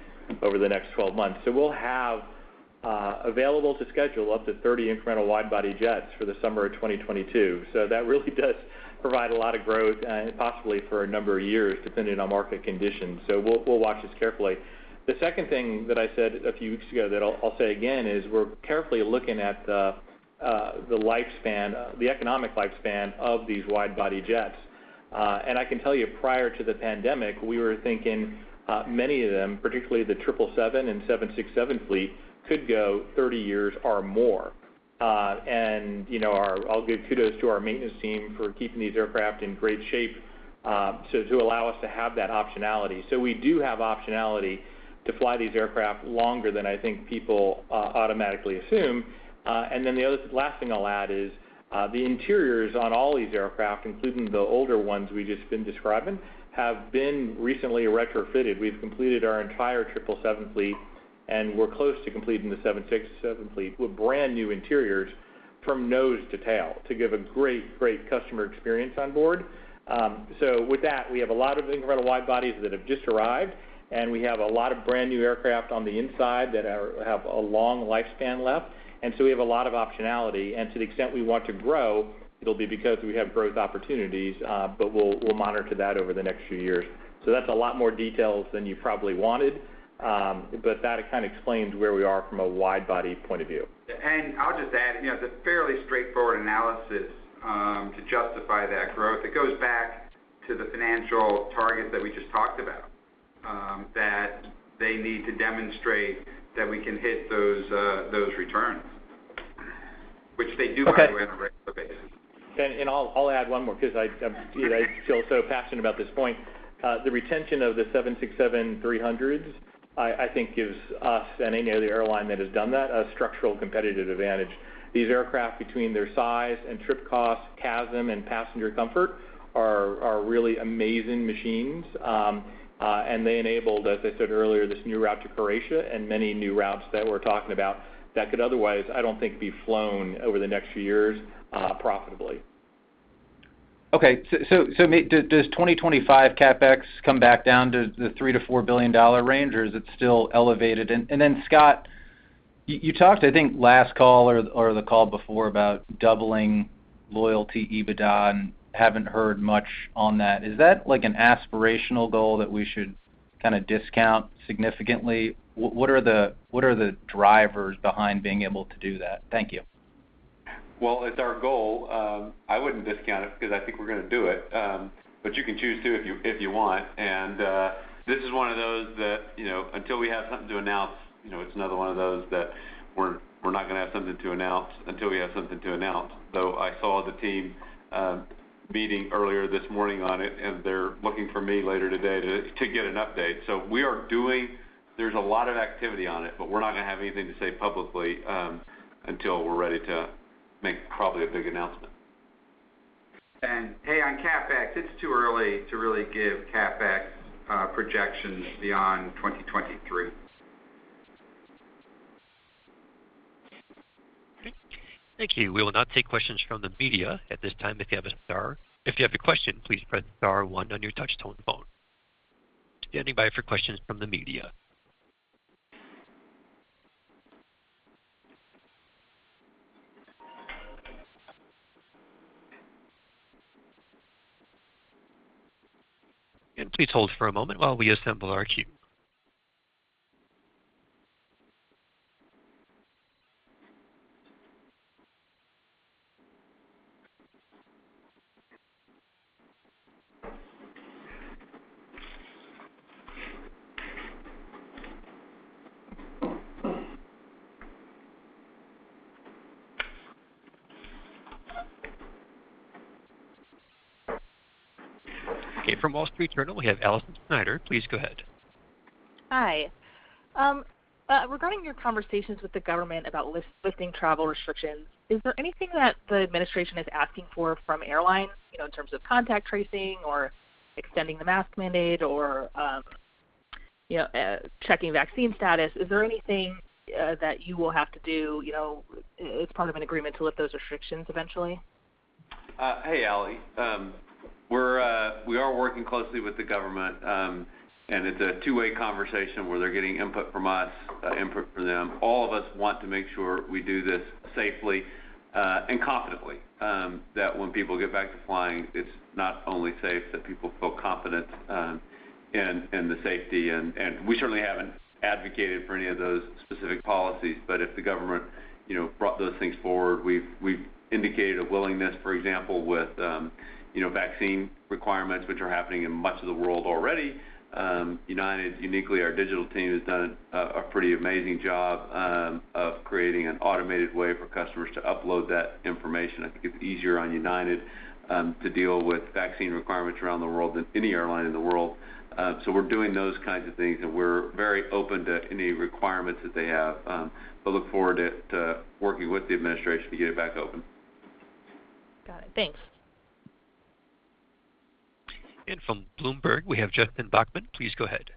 over the next 12 months. We'll have available to schedule up to 30 incremental wide body jets for the summer of 2022. That really does provide a lot of growth and possibly for a number of years, depending on market conditions. We'll watch this carefully. The second thing that I said a few weeks ago that I'll say again is we're carefully looking at the economic lifespan of these wide body jets. I can tell you, prior to the pandemic, we were thinking many of them, particularly the 777 fleet and 767 fleet, could go 30 years or more. I'll give kudos to our maintenance team for keeping these aircraft in great shape to allow us to have that optionality. We do have optionality to fly these aircraft longer than I think people automatically assume. The last thing I'll add is the interiors on all these aircraft, including the older ones we've just been describing, have been recently retrofitted. We've completed our entire 777 fleet, and we're close to completing the 767 fleet with brand-new interiors from nose to tail to give a great customer experience on board. With that, we have a lot of incremental wide bodies that have just arrived, and we have a lot of brand-new aircraft on the inside that have a long lifespan left. We have a lot of optionality. To the extent we want to grow, it'll be because we have growth opportunities. We'll monitor that over the next few years. That's a lot more details than you probably wanted, but that kind of explains where we are from a wide body point of view. I'll just add, it's a fairly straightforward analysis to justify that growth. It goes back to the financial targets that we just talked about, that they need to demonstrate that we can hit those returns, which they do- Okay. Okay. I'll add one more because I feel so passionate about this point. The retention of the 767-300s, I think gives us and any other airline that has done that a structural competitive advantage. These aircraft, between their size and trip cost CASM and passenger comfort, are really amazing machines. They enabled, as I said earlier, this new route to Croatia and many new routes that we're talking about that could otherwise, I don't think, be flown over the next few years profitably. Okay. Does 2025 CapEx come back down to the $3 billion-$4 billion range, or is it still elevated? Then Scott, you talked, I think, last call or the call before about doubling loyalty EBITDA and haven't heard much on that. Is that an aspirational goal that we should kind of discount significantly? What are the drivers behind being able to do that? Thank you. Well, it's our goal. I wouldn't discount it because I think we're going to do it, but you can choose to if you want. This is one of those that until we have something to announce, it's another one of those that we're not going to have something to announce until we have something to announce. Though I saw the team meeting earlier this morning on it, and they're looking for me later today to get an update. There's a lot of activity on it, but we're not going to have anything to say publicly until we're ready to make probably a big announcement. Hey, on CapEx, it's too early to really give CapEx projections beyond 2023. Okay. Thank you. We will now take questions from the media at this time. Again, if you have a question, please press star one on your touch-tone phone. Standing by for questions from the media. And please hold for a moment while we assemble our queue. From Wall Street Journal, we have Alison Sider. Please go ahead. Hi. Regarding your conversations with the government about lifting travel restrictions, is there anything that the administration is asking for from airlines, in terms of contact tracing or extending the mask mandate or checking vaccine status? Is there anything that you will have to do as part of an agreement to lift those restrictions eventually? Hey, Allie. We are working closely with the government, and it's a two-way conversation where they're getting input from us, input for them. All of us want to make sure we do this safely and confidently, that when people get back to flying, it's not only safe, that people feel confident in the safety. We certainly haven't advocated for any of those specific policies, but if the government brought those things forward, we've indicated a willingness. For example, with vaccine requirements, which are happening in much of the world already, United, uniquely, our digital team has done a pretty amazing job of creating an automated way for customers to upload that information. I think it's easier on United to deal with vaccine requirements around the world than any airline in the world. We're doing those kinds of things, and we're very open to any requirements that they have. Look forward to working with the administration to get it back open. Got it. Thanks. From Bloomberg, we have Justin Bachman. Please go ahead.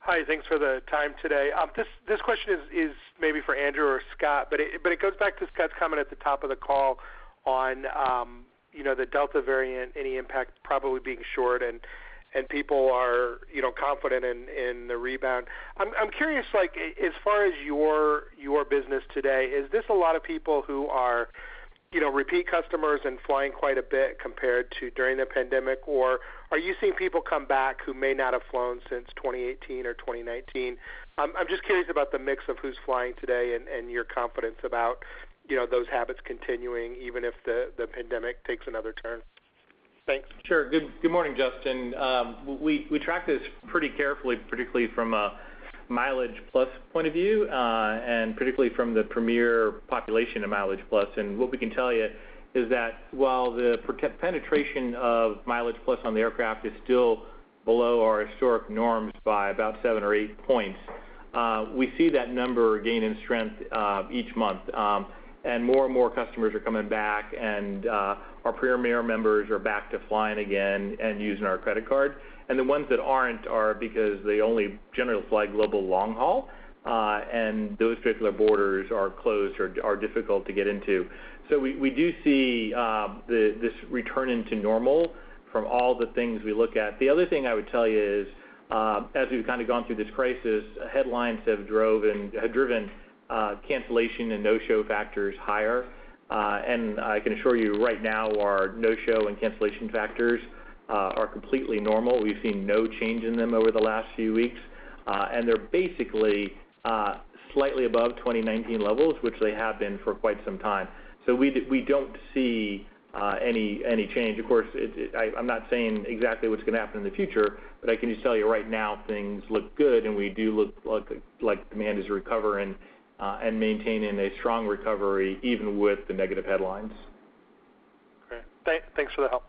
Hi. Thanks for the time today. This question is maybe for Andrew or Scott, but it goes back to Scott's comment at the top of the call on the Delta variant, any impact probably being short, and people are confident in the rebound. I'm curious, as far as your business today, is this a lot of people who are repeat customers and flying quite a bit compared to during the pandemic? Or are you seeing people come back who may not have flown since 2018 or 2019? I'm just curious about the mix of who's flying today and your confidence about those habits continuing, even if the pandemic takes another turn. Thanks. Sure. Good morning, Justin. We track this pretty carefully, particularly from a MileagePlus point of view, and particularly from the Premier population of MileagePlus. What we can tell you is that while the penetration of MileagePlus on the aircraft is still below our historic norms by about seven points or eight points, we see that number gaining strength each month. More and more customers are coming back, and our Premier members are back to flying again and using our credit card. The ones that aren't are because they only generally fly global long haul, and those particular borders are closed or are difficult to get into. We do see this returning to normal from all the things we look at. The other thing I would tell you is, as we've kind of gone through this crisis, headlines have driven cancellation and no-show factors higher. I can assure you right now, our no-show and cancellation factors are completely normal. We've seen no change in them over the last few weeks. They're basically slightly above 2019 levels, which they have been for quite some time. We don't see any change. Of course, I'm not saying exactly what's going to happen in the future, but I can just tell you right now, things look good, and we do look like demand is recovering, and maintaining a strong recovery even with the negative headlines. Great. Thanks for the help.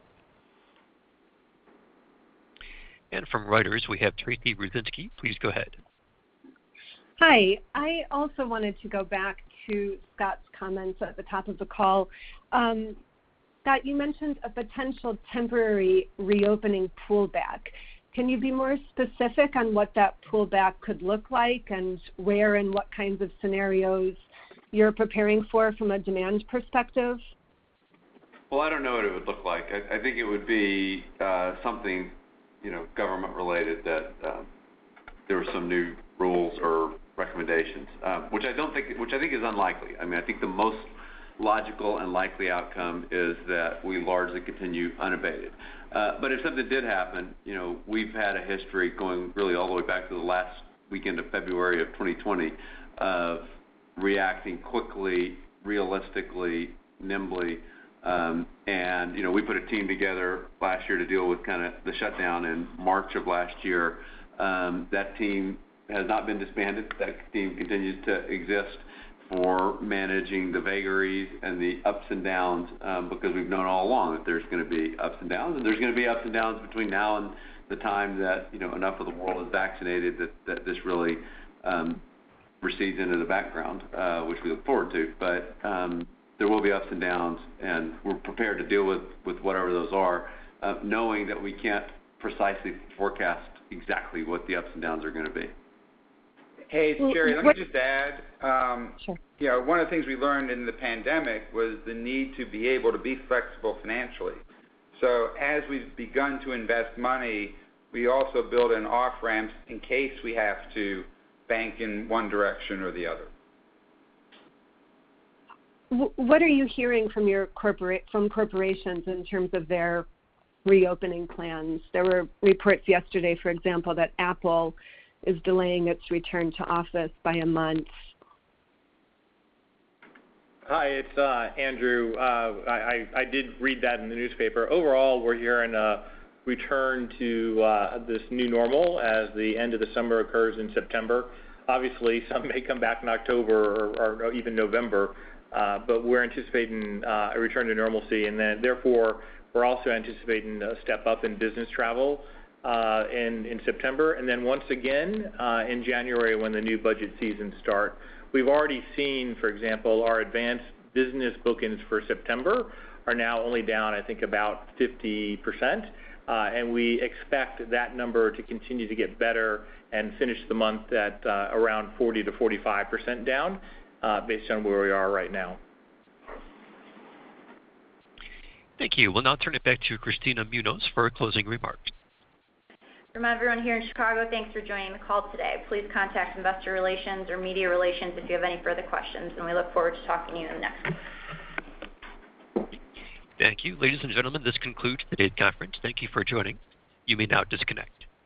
From Reuters, we have Tracy Rucinski. Please go ahead. Hi. I also wanted to go back to Scott's comments at the top of the call. Scott, you mentioned a potential temporary reopening pullback. Can you be more specific on what that pullback could look like and where and what kinds of scenarios you're preparing for from a demand perspective? Well, I don't know what it would look like. I think it would be something government-related, that there were some new rules or recommendations, which I think is unlikely. I think the most logical and likely outcome is that we largely continue unabated. If something did happen, we've had a history going really all the way back to the last weekend of February of 2020 of reacting quickly, realistically, nimbly. We put a team together last year to deal with the shutdown in March of last year. That team has not been disbanded. That team continues to exist for managing the vagaries and the ups and downs because we've known all along that there's going to be ups and downs, and there's going to be ups and downs between now and the time that enough of the world is vaccinated that this really recedes into the background, which we look forward to. There will be ups and downs, and we're prepared to deal with whatever those are, knowing that we can't precisely forecast exactly what the ups and downs are going to be. Hey, Tracy, let me just add. Sure. One of the things we learned in the pandemic was the need to be able to be flexible financially. As we've begun to invest money, we also build in off-ramps in case we have to bank in one direction or the other. What are you hearing from corporations in terms of their reopening plans? There were reports yesterday, for example, that Apple is delaying its return to office by a month. Hi, it's Andrew. I did read that in the newspaper. We're hearing a return to this new normal as the end of the summer occurs in September. Some may come back in October or even November. We're anticipating a return to normalcy. Therefore, we're also anticipating a step-up in business travel in September. Once again in January when the new budget seasons start. We've already seen, for example, our advanced business bookings for September are now only down, I think, about 50%, and we expect that number to continue to get better and finish the month at around 40%-45% down based on where we are right now. Thank you. We'll now turn it back to Kristina Munoz for closing remarks. From everyone here in Chicago, thanks for joining the call today. Please contact investor relations or media relations if you have any further questions. We look forward to talking to you in the next one. Thank you. Ladies and gentlemen, this concludes today's conference. Thank you for joining. You may now disconnect.